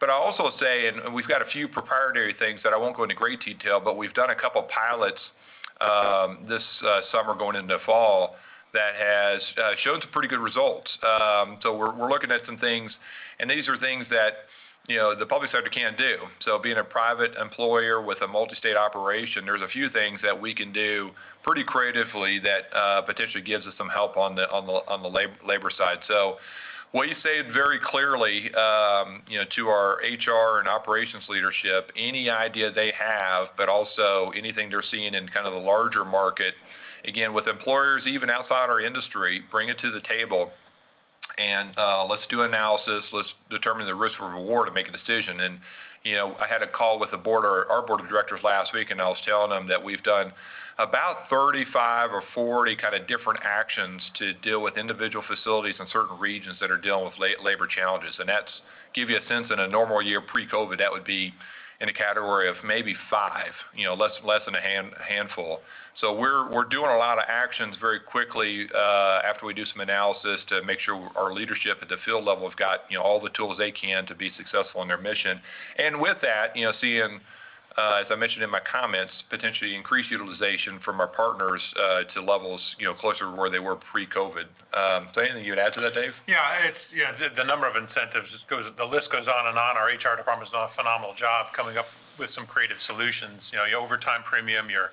[SPEAKER 3] I'll also say, and we've got a few proprietary things that I won't go into great detail, but we've done a couple pilots this summer going into fall that has shown some pretty good results. We're looking at some things, and these are things that, you know, the public sector can't do. Being a private employer with a multi-state operation, there's a few things that we can do pretty creatively that potentially gives us some help on the labor side. What we say very clearly, you know, to our HR and operations leadership, any idea they have, but also anything they're seeing in kind of the larger market, again, with employers even outside our industry, bring it to the table and let's do analysis. Let's determine the risk reward and make a decision. You know, I had a call with the board or our board of directors last week, and I was telling them that we've done about 35 or 40 kind of different actions to deal with individual facilities in certain regions that are dealing with labor challenges. That gives you a sense in a normal year pre-COVID, that would be in a category of maybe five, you know, less than a handful. We're doing a lot of actions very quickly after we do some analysis to make sure our leadership at the field level have got, you know, all the tools they can to be successful in their mission. With that, you know, seeing as I mentioned in my comments, potentially increased utilization from our partners to levels, you know, closer to where they were pre-COVID. Anything you would add to that, Dave?
[SPEAKER 4] The number of incentives just goes, the list goes on and on. Our HR department's done a phenomenal job coming up with some creative solutions. You know, your overtime premium, your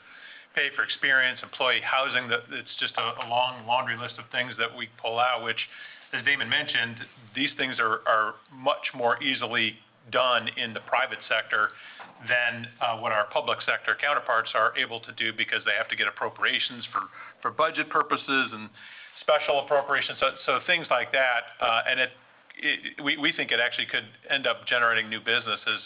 [SPEAKER 4] Pay for experience, employee housing, it's just a long laundry list of things that we pull out, which, as Damon mentioned, these things are much more easily done in the private sector than what our public sector counterparts are able to do because they have to get appropriations for budget purposes and special appropriations. Things like that, and we think it actually could end up generating new businesses.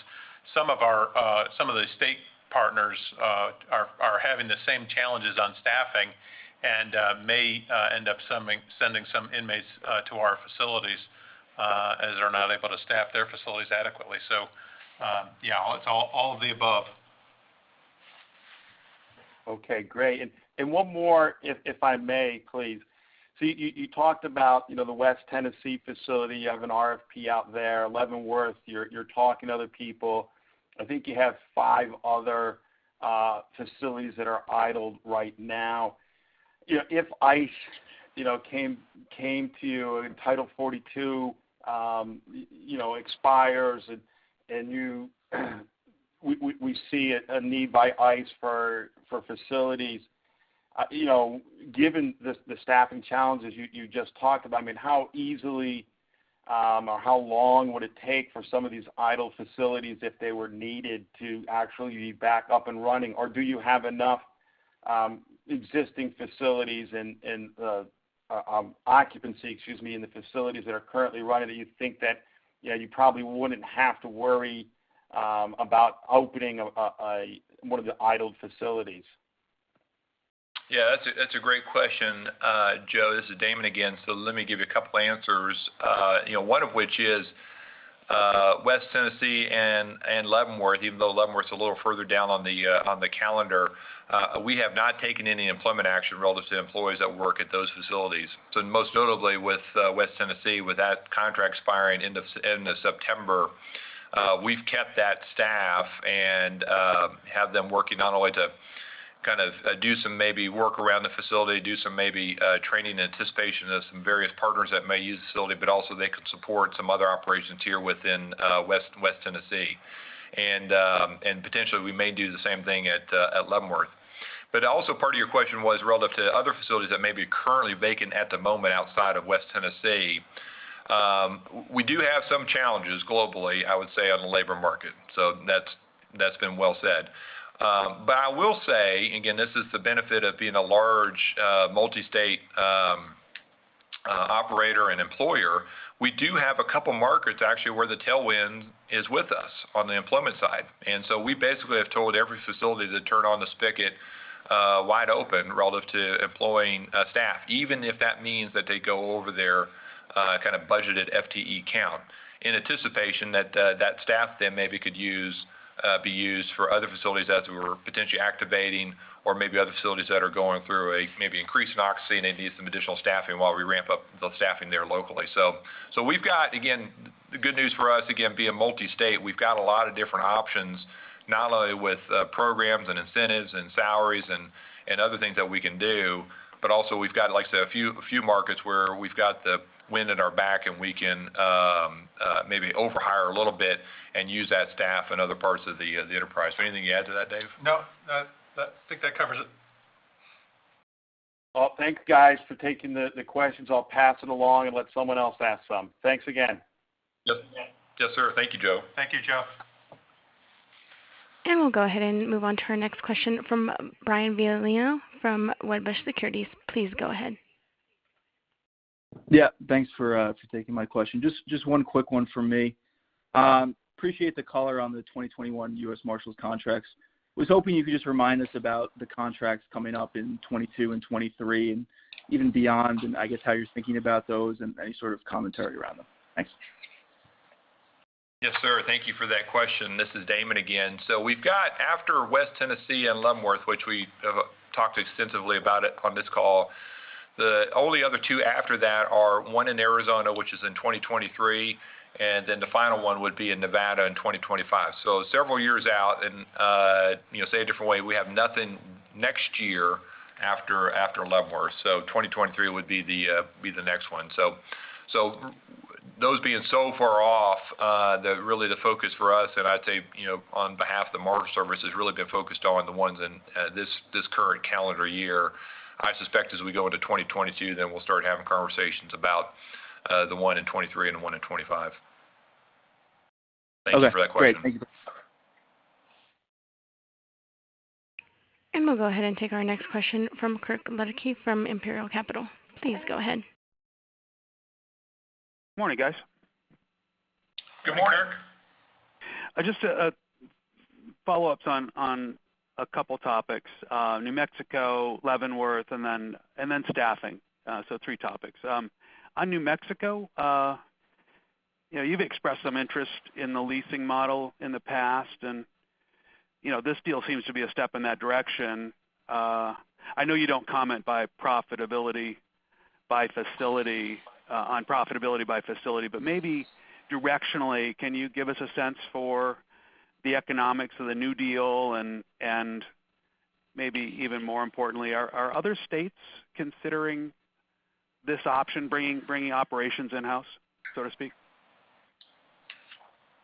[SPEAKER 4] Some of the state partners are having the same challenges on staffing and may end up sending some inmates to our facilities as they're not able to staff their facilities adequately. It's all of the above.
[SPEAKER 5] Okay, great. One more, if I may, please. You talked about, you know, the West Tennessee facility. You have an RFP out there. Leavenworth, you're talking to other people. I think you have five other facilities that are idled right now. You know, if ICE came to you and Title 42 expires and we see a need by ICE for facilities. You know, given the staffing challenges you just talked about, I mean, how easily or how long would it take for some of these idle facilities, if they were needed, to actually be back up and running? Do you have enough existing facilities and occupancy, excuse me, in the facilities that are currently running that you think that, you know, you probably wouldn't have to worry about opening one of the idled facilities?
[SPEAKER 3] Yeah, that's a great question. Joe, this is Damon again, so let me give you a couple answers. You know, one of which is West Tennessee and Leavenworth, even though Leavenworth's a little further down on the calendar, we have not taken any employment action relative to employees that work at those facilities. Most notably with West Tennessee, with that contract expiring end of September, we've kept that staff and have them working not only to kind of do some maybe work around the facility, do some maybe training in anticipation of some various partners that may use the facility, but also they could support some other operations here within West Tennessee. Potentially we may do the same thing at Leavenworth. Also part of your question was relative to other facilities that may be currently vacant at the moment outside of West Tennessee. We do have some challenges globally, I would say, on the labor market, so that's been well said. I will say, again, this is the benefit of being a large, multi-state operator and employer. We do have a couple markets actually where the tailwind is with us on the employment side. We basically have told every facility to turn on the spigot wide open relative to employing staff, even if that means that they go over their kind of budgeted FTE count in anticipation that staff then maybe could be used for other facilities as we're potentially activating or maybe other facilities that are going through a maybe increase in occupancy and they need some additional staffing while we ramp up the staffing there locally. We've got, again, the good news for us, again, being multi-state. We've got a lot of different options, not only with programs and incentives and salaries and other things that we can do, but also we've got, like I say, a few markets where we've got the wind at our back and we can maybe overhire a little bit and use that staff in other parts of the enterprise. Anything to add to that, Dave?
[SPEAKER 4] No. No. I think that covers it.
[SPEAKER 5] Well, thank you guys for taking the questions. I'll pass it along and let someone else ask some. Thanks again.
[SPEAKER 3] Yes.
[SPEAKER 4] Yes, sir. Thank you, Joe.
[SPEAKER 3] Thank you, Joe.
[SPEAKER 1] We'll go ahead and move on to our next question from Brian Violino from Wedbush Securities. Please go ahead.
[SPEAKER 6] Yeah. Thanks for taking my question. Just one quick one from me. Appreciate the color on the 2021 U.S. Marshals contracts. Was hoping you could just remind us about the contracts coming up in 2022 and 2023 and even beyond, and I guess how you're thinking about those and any sort of commentary around them. Thanks.
[SPEAKER 3] Yes, sir. Thank you for that question. This is Damon again. We've got after West Tennessee and Leavenworth, which we have talked extensively about it on this call, the only other two after that are one in Arizona, which is in 2023, and then the final one would be in Nevada in 2025. Several years out and, you know, say a different way, we have nothing next year after Leavenworth. 2023 would be the next one. Those being so far off, really the focus for us and I'd say, you know, on behalf of the Marshals Service has really been focused on the ones in this current calendar year. I suspect as we go into 2022, we'll start having conversations about the one in 2023 and the one in 2025.
[SPEAKER 6] Okay.
[SPEAKER 3] Thank you for that question.
[SPEAKER 6] Great. Thank you.
[SPEAKER 1] We'll go ahead and take our next question from Kirk Ludtke from Imperial Capital. Please go ahead.
[SPEAKER 7] Morning, guys.
[SPEAKER 3] Good morning, Kirk.
[SPEAKER 7] Just follow-ups on a couple topics. New Mexico, Leavenworth, and then staffing. Three topics. On New Mexico, you know, you've expressed some interest in the leasing model in the past and, you know, this deal seems to be a step in that direction. I know you don't comment on profitability by facility, but maybe directionally, can you give us a sense for the economics of the new deal? And maybe even more importantly, are other states considering this option, bringing operations in-house, so to speak?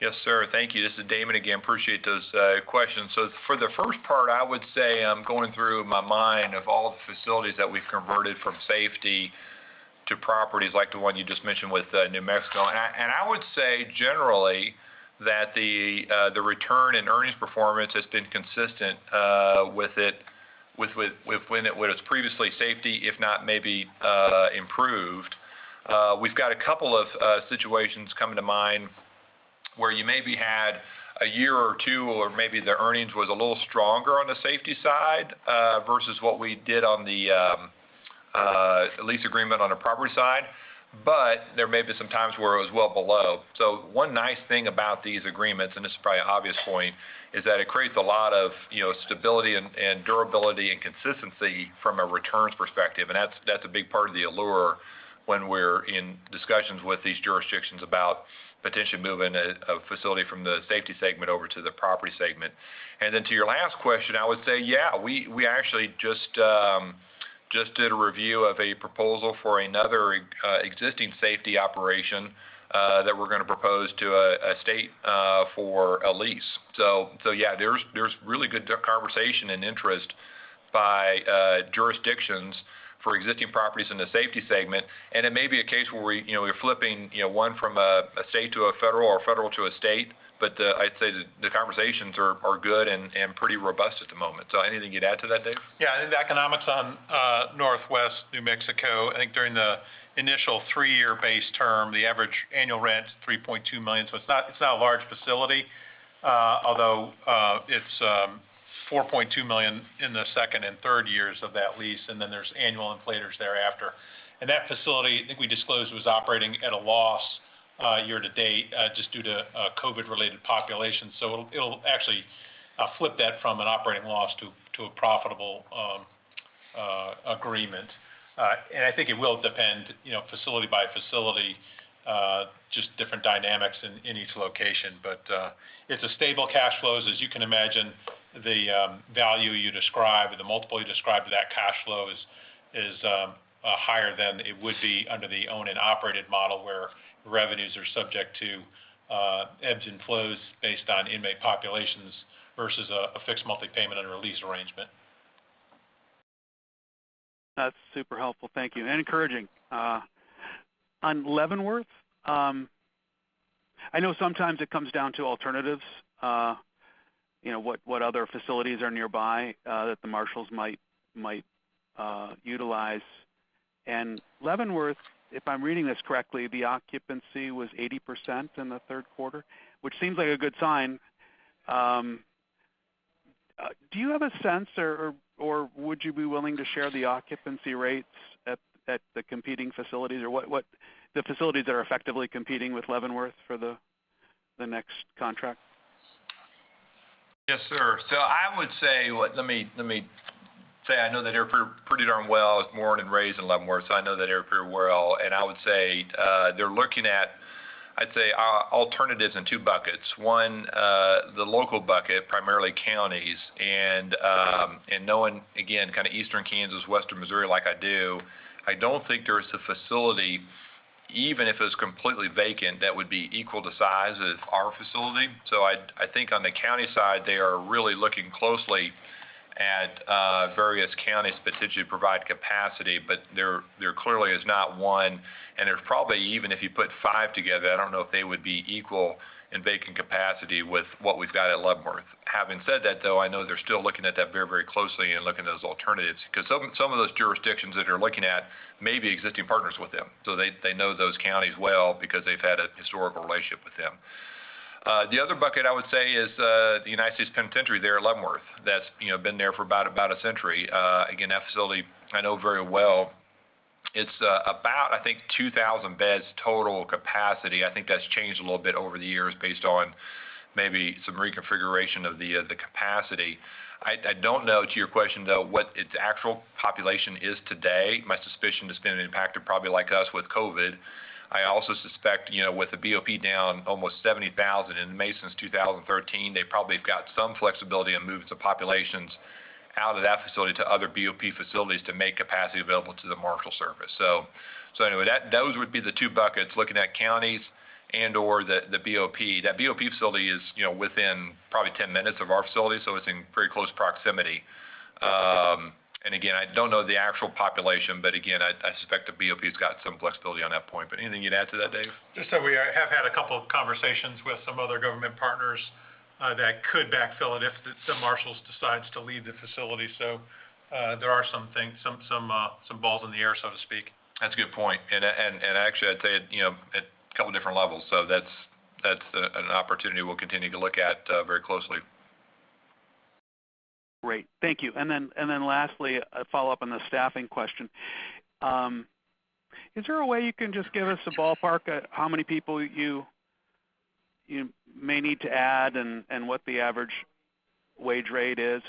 [SPEAKER 3] Yes, sir. Thank you. This is Damon again. Appreciate those questions. For the first part, I would say I'm going through my mind of all the facilities that we've converted from state to properties like the one you just mentioned with New Mexico. I would say generally that the return in earnings performance has been consistent with when it was previously state, if not maybe improved. We've got a couple of situations coming to mind where you maybe had a year or two, or maybe the earnings was a little stronger on the state side versus what we did on the lease agreement on a property side. There may be some times where it was well below. One nice thing about these agreements, and this is probably an obvious point, is that it creates a lot of, you know, stability and durability and consistency from a returns perspective. That's a big part of the allure when we're in discussions with these jurisdictions about potentially moving a facility from the Safety segment over to the Property segment. Then to your last question, I would say, yeah, we actually just did a review of a proposal for another existing safety operation that we're gonna propose to a state for a lease. Yeah, there's really good conversation and interest by jurisdictions for existing properties in the Safety segment. It may be a case where we, you know, we're flipping, you know, one from a state to a federal or federal to a state. But I'd say the conversations are good and pretty robust at the moment. Anything you'd add to that, Dave?
[SPEAKER 4] Yeah. I think the economics on Northwest New Mexico, I think during the initial three-year base term, the average annual rent's $3.2 million. It's not a large facility, although it's $4.2 million in the second and third years of that lease, and then there's annual inflators thereafter. That facility, I think we disclosed, was operating at a loss year to date, just due to COVID-related population. It'll actually flip that from an operating loss to a profitable agreement. I think it will depend, you know, facility by facility, just different dynamics in each location. It's a stable cash flows. As you can imagine, the value you describe or the multiple you describe to that cash flow is higher than it would be under the owned and operated model, where revenues are subject to ebbs and flows based on inmate populations versus a fixed monthly payment under a lease arrangement.
[SPEAKER 7] That's super helpful, thank you, and encouraging. On Leavenworth, I know sometimes it comes down to alternatives, you know, what other facilities are nearby that the marshals might utilize. Leavenworth, if I'm reading this correctly, the occupancy was 80% in the third quarter, which seems like a good sign. Do you have a sense or would you be willing to share the occupancy rates at the competing facilities or what the facilities that are effectively competing with Leavenworth for the next contract?
[SPEAKER 3] Yes, sir. Let me say I know that area pretty darn well. I was born and raised in Leavenworth, so I know that area pretty well. I would say they're looking at alternatives in two buckets. One, the local bucket, primarily counties, and knowing, again, kind of eastern Kansas, western Missouri like I do, I don't think there's a facility, even if it was completely vacant, that would be equal in size as our facility. I think on the county side, they are really looking closely at various counties to potentially provide capacity, but there clearly is not one, and there's probably, even if you put five together, I don't know if they would be equal in vacant capacity with what we've got at Leavenworth. Having said that, though, I know they're still looking at that very, very closely and looking at those alternatives because some of those jurisdictions that they're looking at may be existing partners with them, so they know those counties well because they've had a historical relationship with them. The other bucket I would say is the United States Penitentiary there at Leavenworth that's, you know, been there for about a century. Again, that facility I know very well. It's about, I think, 2,000 beds total capacity. I think that's changed a little bit over the years based on maybe some reconfiguration of the capacity. I don't know, to your question, though, what its actual population is today. My suspicion it's been impacted probably like us with COVID. I also suspect, you know, with the BOP down almost 70,000 in May since 2013, they probably have got some flexibility in moving some populations out of that facility to other BOP facilities to make capacity available to the Marshals Service. So anyway, that, those would be the two buckets, looking at counties and/or the BOP. That BOP facility is, you know, within probably 10 minutes of our facility, so it's in pretty close proximity. Again, I don't know the actual population, but again, I suspect the BOP's got some flexibility on that point. Anything you'd add to that, Dave?
[SPEAKER 4] Just that we have had a couple of conversations with some other government partners that could backfill it if some marshals decides to leave the facility. There are some things, some balls in the air, so to speak.
[SPEAKER 3] That's a good point. Actually I'd say, you know, at a couple different levels. That's an opportunity we'll continue to look at very closely.
[SPEAKER 7] Great. Thank you. Lastly, a follow-up on the staffing question. Is there a way you can just give us a ballpark at how many people you may need to add and what the average wage rate is?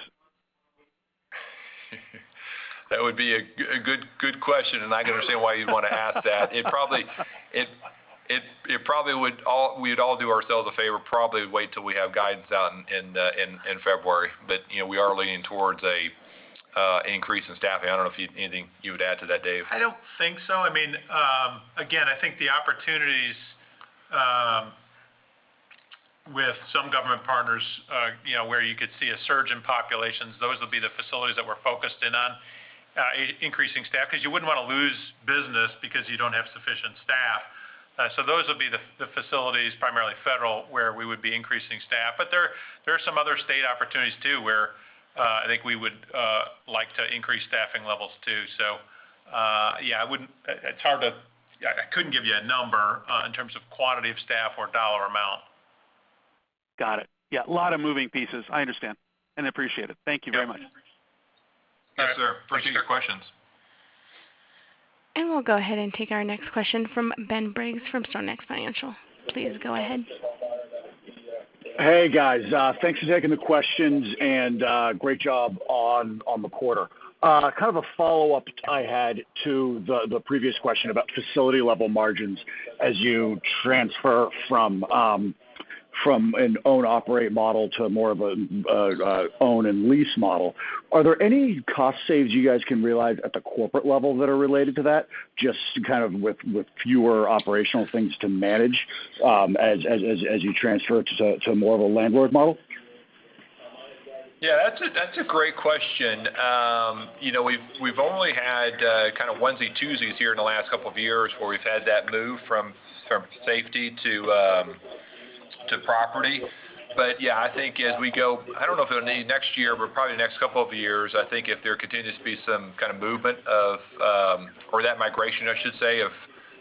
[SPEAKER 3] That would be a good question, and I can understand why you'd wanna ask that. It probably we'd all do ourselves a favor, probably wait till we have guidance out in February. You know, we are leaning towards an increase in staffing. I don't know if you anything you would add to that, Dave.
[SPEAKER 4] I don't think so. I mean, again, I think the opportunities with some government partners, you know, where you could see a surge in populations, those will be the facilities that we're focused in on, increasing staff. Because you wouldn't wanna lose business because you don't have sufficient staff. Those would be the facilities, primarily federal, where we would be increasing staff. There are some other state opportunities too where I think we would like to increase staffing levels too. Yeah, I wouldn't. It's hard to. I couldn't give you a number in terms of quantity of staff or dollar amount.
[SPEAKER 7] Got it. Yeah, a lot of moving pieces. I understand and appreciate it. Thank you very much.
[SPEAKER 4] Yes, sir. I appreciate your questions.
[SPEAKER 1] We'll go ahead and take our next question from Benjamin Briggs from StoneX Financial. Please go ahead.
[SPEAKER 8] Hey, guys. Thanks for taking the questions, and great job on the quarter. Kind of a follow-up I had to the previous question about facility level margins as you transfer from an own and operate model to more of a own and lease model. Are there any cost savings you guys can realize at the corporate level that are related to that, just to kind of with fewer operational things to manage, as you transfer to more of a landlord model?
[SPEAKER 3] Yeah, that's a great question. You know, we've only had kind of one z, two z here in the last couple of years where we've had that move from safety to property. Yeah, I think as we go, I don't know if it'll be next year, but probably the next couple of years, I think if there continues to be some kind of movement of or that migration, I should say, of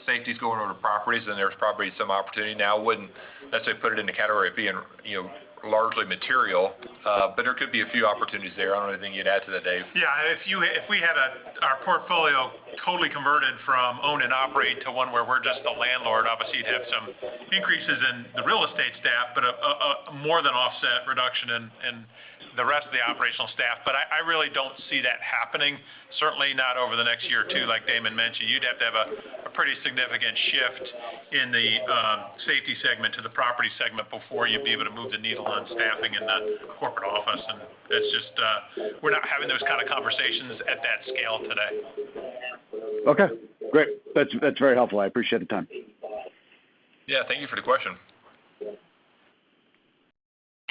[SPEAKER 3] safeties going over to properties, then there's probably some opportunity. Now, I wouldn't necessarily put it in the category of being, you know, largely material, but there could be a few opportunities there. I don't know anything you'd add to that, Dave.
[SPEAKER 4] Yeah. If we had our portfolio totally converted from own and operate to one where we're just the landlord, obviously you'd have some increases in the real estate staff, but a more than offset reduction in the rest of the operational staff. I really don't see that happening, certainly not over the next year or two, like Damon mentioned. You'd have to have a pretty significant shift in the safety segment to the property segment before you'd be able to move the needle on staffing in the corporate office. It's just, we're not having those kind of conversations at that scale today.
[SPEAKER 8] Okay, great. That's very helpful. I appreciate the time.
[SPEAKER 3] Yeah. Thank you for the question.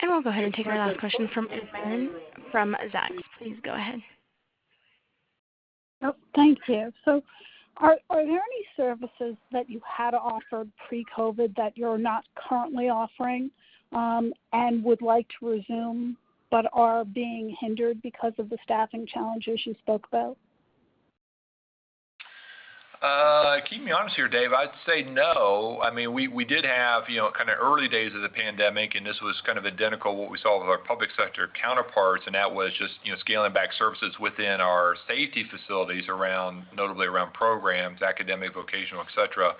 [SPEAKER 1] We'll go ahead and take our last question from M. Marin from Zacks. Please go ahead.
[SPEAKER 9] Oh, thank you. Are there any services that you had offered pre-COVID that you're not currently offering, and would like to resume, but are being hindered because of the staffing challenges you spoke about?
[SPEAKER 3] Keep me honest here, Dave. I'd say no. I mean, we did have, you know, kinda early days of the pandemic, and this was kind of identical what we saw with our public sector counterparts, and that was just, you know, scaling back services within our safety facilities around notably around programs, academic, vocational, et cetera.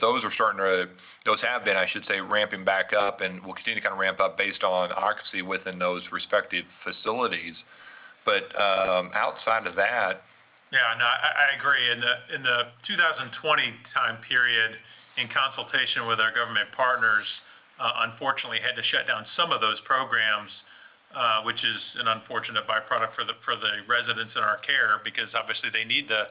[SPEAKER 3] Those have been, I should say, ramping back up and will continue to kind of ramp up based on occupancy within those respective facilities. Outside of that-
[SPEAKER 4] Yeah. No, I agree. In the 2020 time period, in consultation with our government partners, we unfortunately had to shut down some of those programs, which is an unfortunate byproduct for the residents in our care, because obviously they need the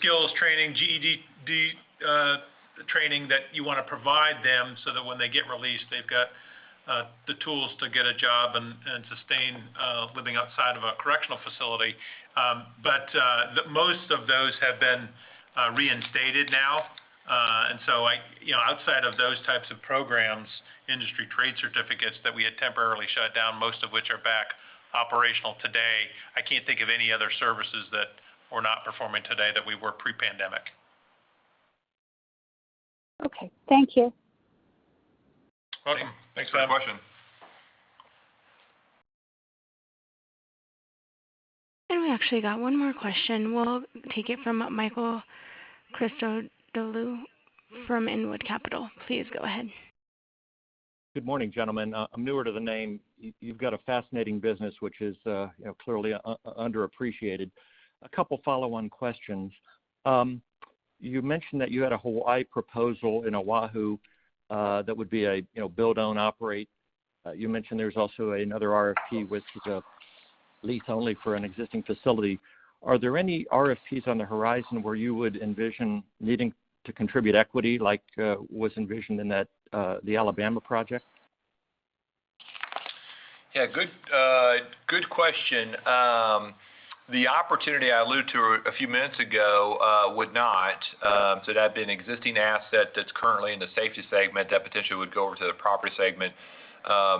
[SPEAKER 4] skills training, GED training that you wanna provide them so that when they get released, they've got the tools to get a job and sustain living outside of a correctional facility. Most of those have been reinstated now. You know, outside of those types of programs, industry trade certificates that we had temporarily shut down, most of which are back operational today, I can't think of any other services that we're not performing today that we were pre-pandemic.
[SPEAKER 9] Okay. Thank you.
[SPEAKER 3] Welcome. Thanks for the question.
[SPEAKER 1] We actually got one more question. We'll take it from Michael Christodolou from Inwood Capital. Please go ahead.
[SPEAKER 10] Good morning, gentlemen. I'm newer to the name. You've got a fascinating business, which is, you know, clearly underappreciated. A couple follow-on questions. You mentioned that you had a Hawaii proposal in Oahu, that would be a, you know, build own operate. You mentioned there's also another RFP which is a lease only for an existing facility. Are there any RFPs on the horizon where you would envision needing to contribute equity like was envisioned in that, the Alabama project?
[SPEAKER 3] Yeah, good question. The opportunity I alluded to a few minutes ago would not. So that'd be an existing asset that's currently in the safety segment that potentially would go over to the property segment.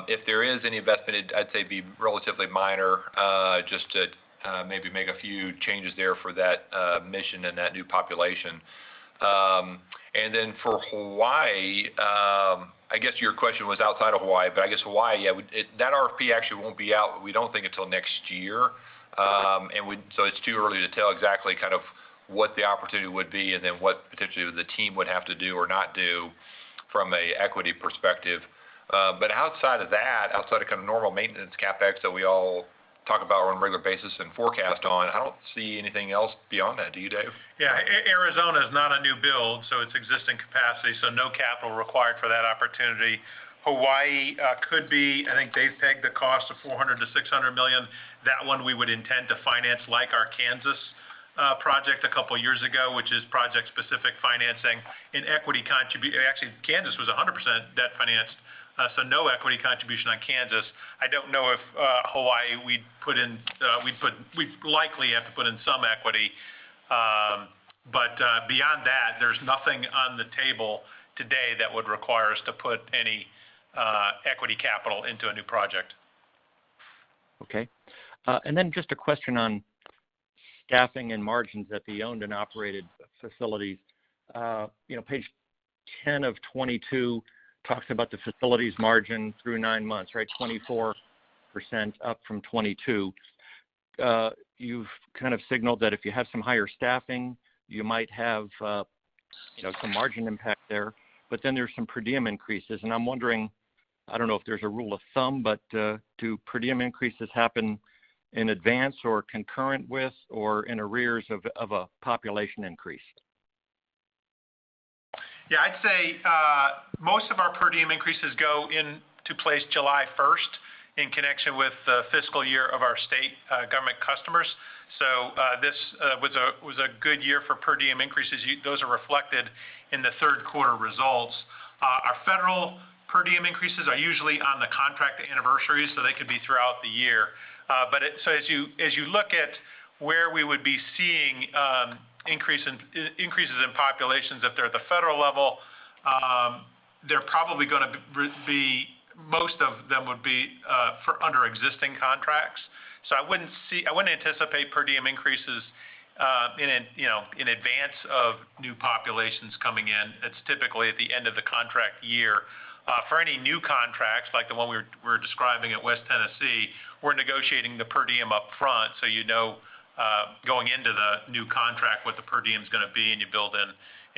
[SPEAKER 3] If there is any investment, I'd say, be relatively minor, just to maybe make a few changes there for that mission and that new population. And then for Hawaii, I guess your question was outside of Hawaii, but I guess Hawaii, yeah. That RFP actually won't be out, we don't think, until next year. So it's too early to tell exactly kind of what the opportunity would be and then what potentially the team would have to do or not do from an equity perspective. Outside of that, outside of kind of normal maintenance CapEx that we all talk about on a regular basis and forecast on, I don't See anything else beyond that, do you, Dave?
[SPEAKER 4] Yeah. Arizona is not a new build, so it's existing capacity, so no capital required for that opportunity. Hawaii could be. I think they've pegged the cost of $400 million-$600 million. That one we would intend to finance like our Kansas project a couple years ago, which is project-specific financing. Actually, Kansas was 100% debt-financed, so no equity contribution on Kansas. I don't know if Hawaii we'd put in. We'd likely have to put in some equity. Beyond that, there's nothing on the table today that would require us to put any equity capital into a new project.
[SPEAKER 10] Okay. Just a question on staffing and margins at the owned and operated facilities. You know, page 10 of 22 talks about the facilities margin through 9 months, right? 24% up from 22%. You've kind of signaled that if you have some higher staffing, you might have, you know, some margin impact there, but then there's some per diem increases. I'm wondering, I don't know if there's a rule of thumb, but do per diem increases happen in advance or concurrent with or in arrears of a population increase?
[SPEAKER 4] I'd say most of our per diem increases go into place July 1st, in connection with the fiscal year of our state government customers. This was a good year for per diem increases. Those are reflected in the third quarter results. Our federal per diem increases are usually on the contract anniversary, so they could be throughout the year. As you look at where we would be seeing increases in populations, if they're at the federal level, they're probably gonna be most of them would be under existing contracts. I wouldn't anticipate per diem increases, you know, in advance of new populations coming in. It's typically at the end of the contract year. For any new contracts, like the one we're describing at West Tennessee, we're negotiating the per diem up front, so you know, going into the new contract what the per diem's gonna be, and you build in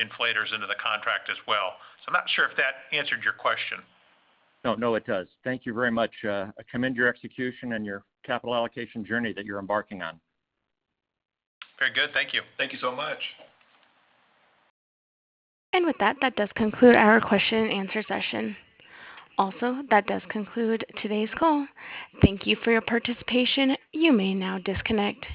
[SPEAKER 4] inflators into the contract as well. I'm not sure if that answered your question.
[SPEAKER 10] No, no, it does. Thank you very much. I commend your execution and your capital allocation journey that you're embarking on.
[SPEAKER 4] Very good. Thank you. Thank you so much.
[SPEAKER 1] With that does conclude our question and answer session. Also, that does conclude today's call. Thank you for your participation. You may now disconnect.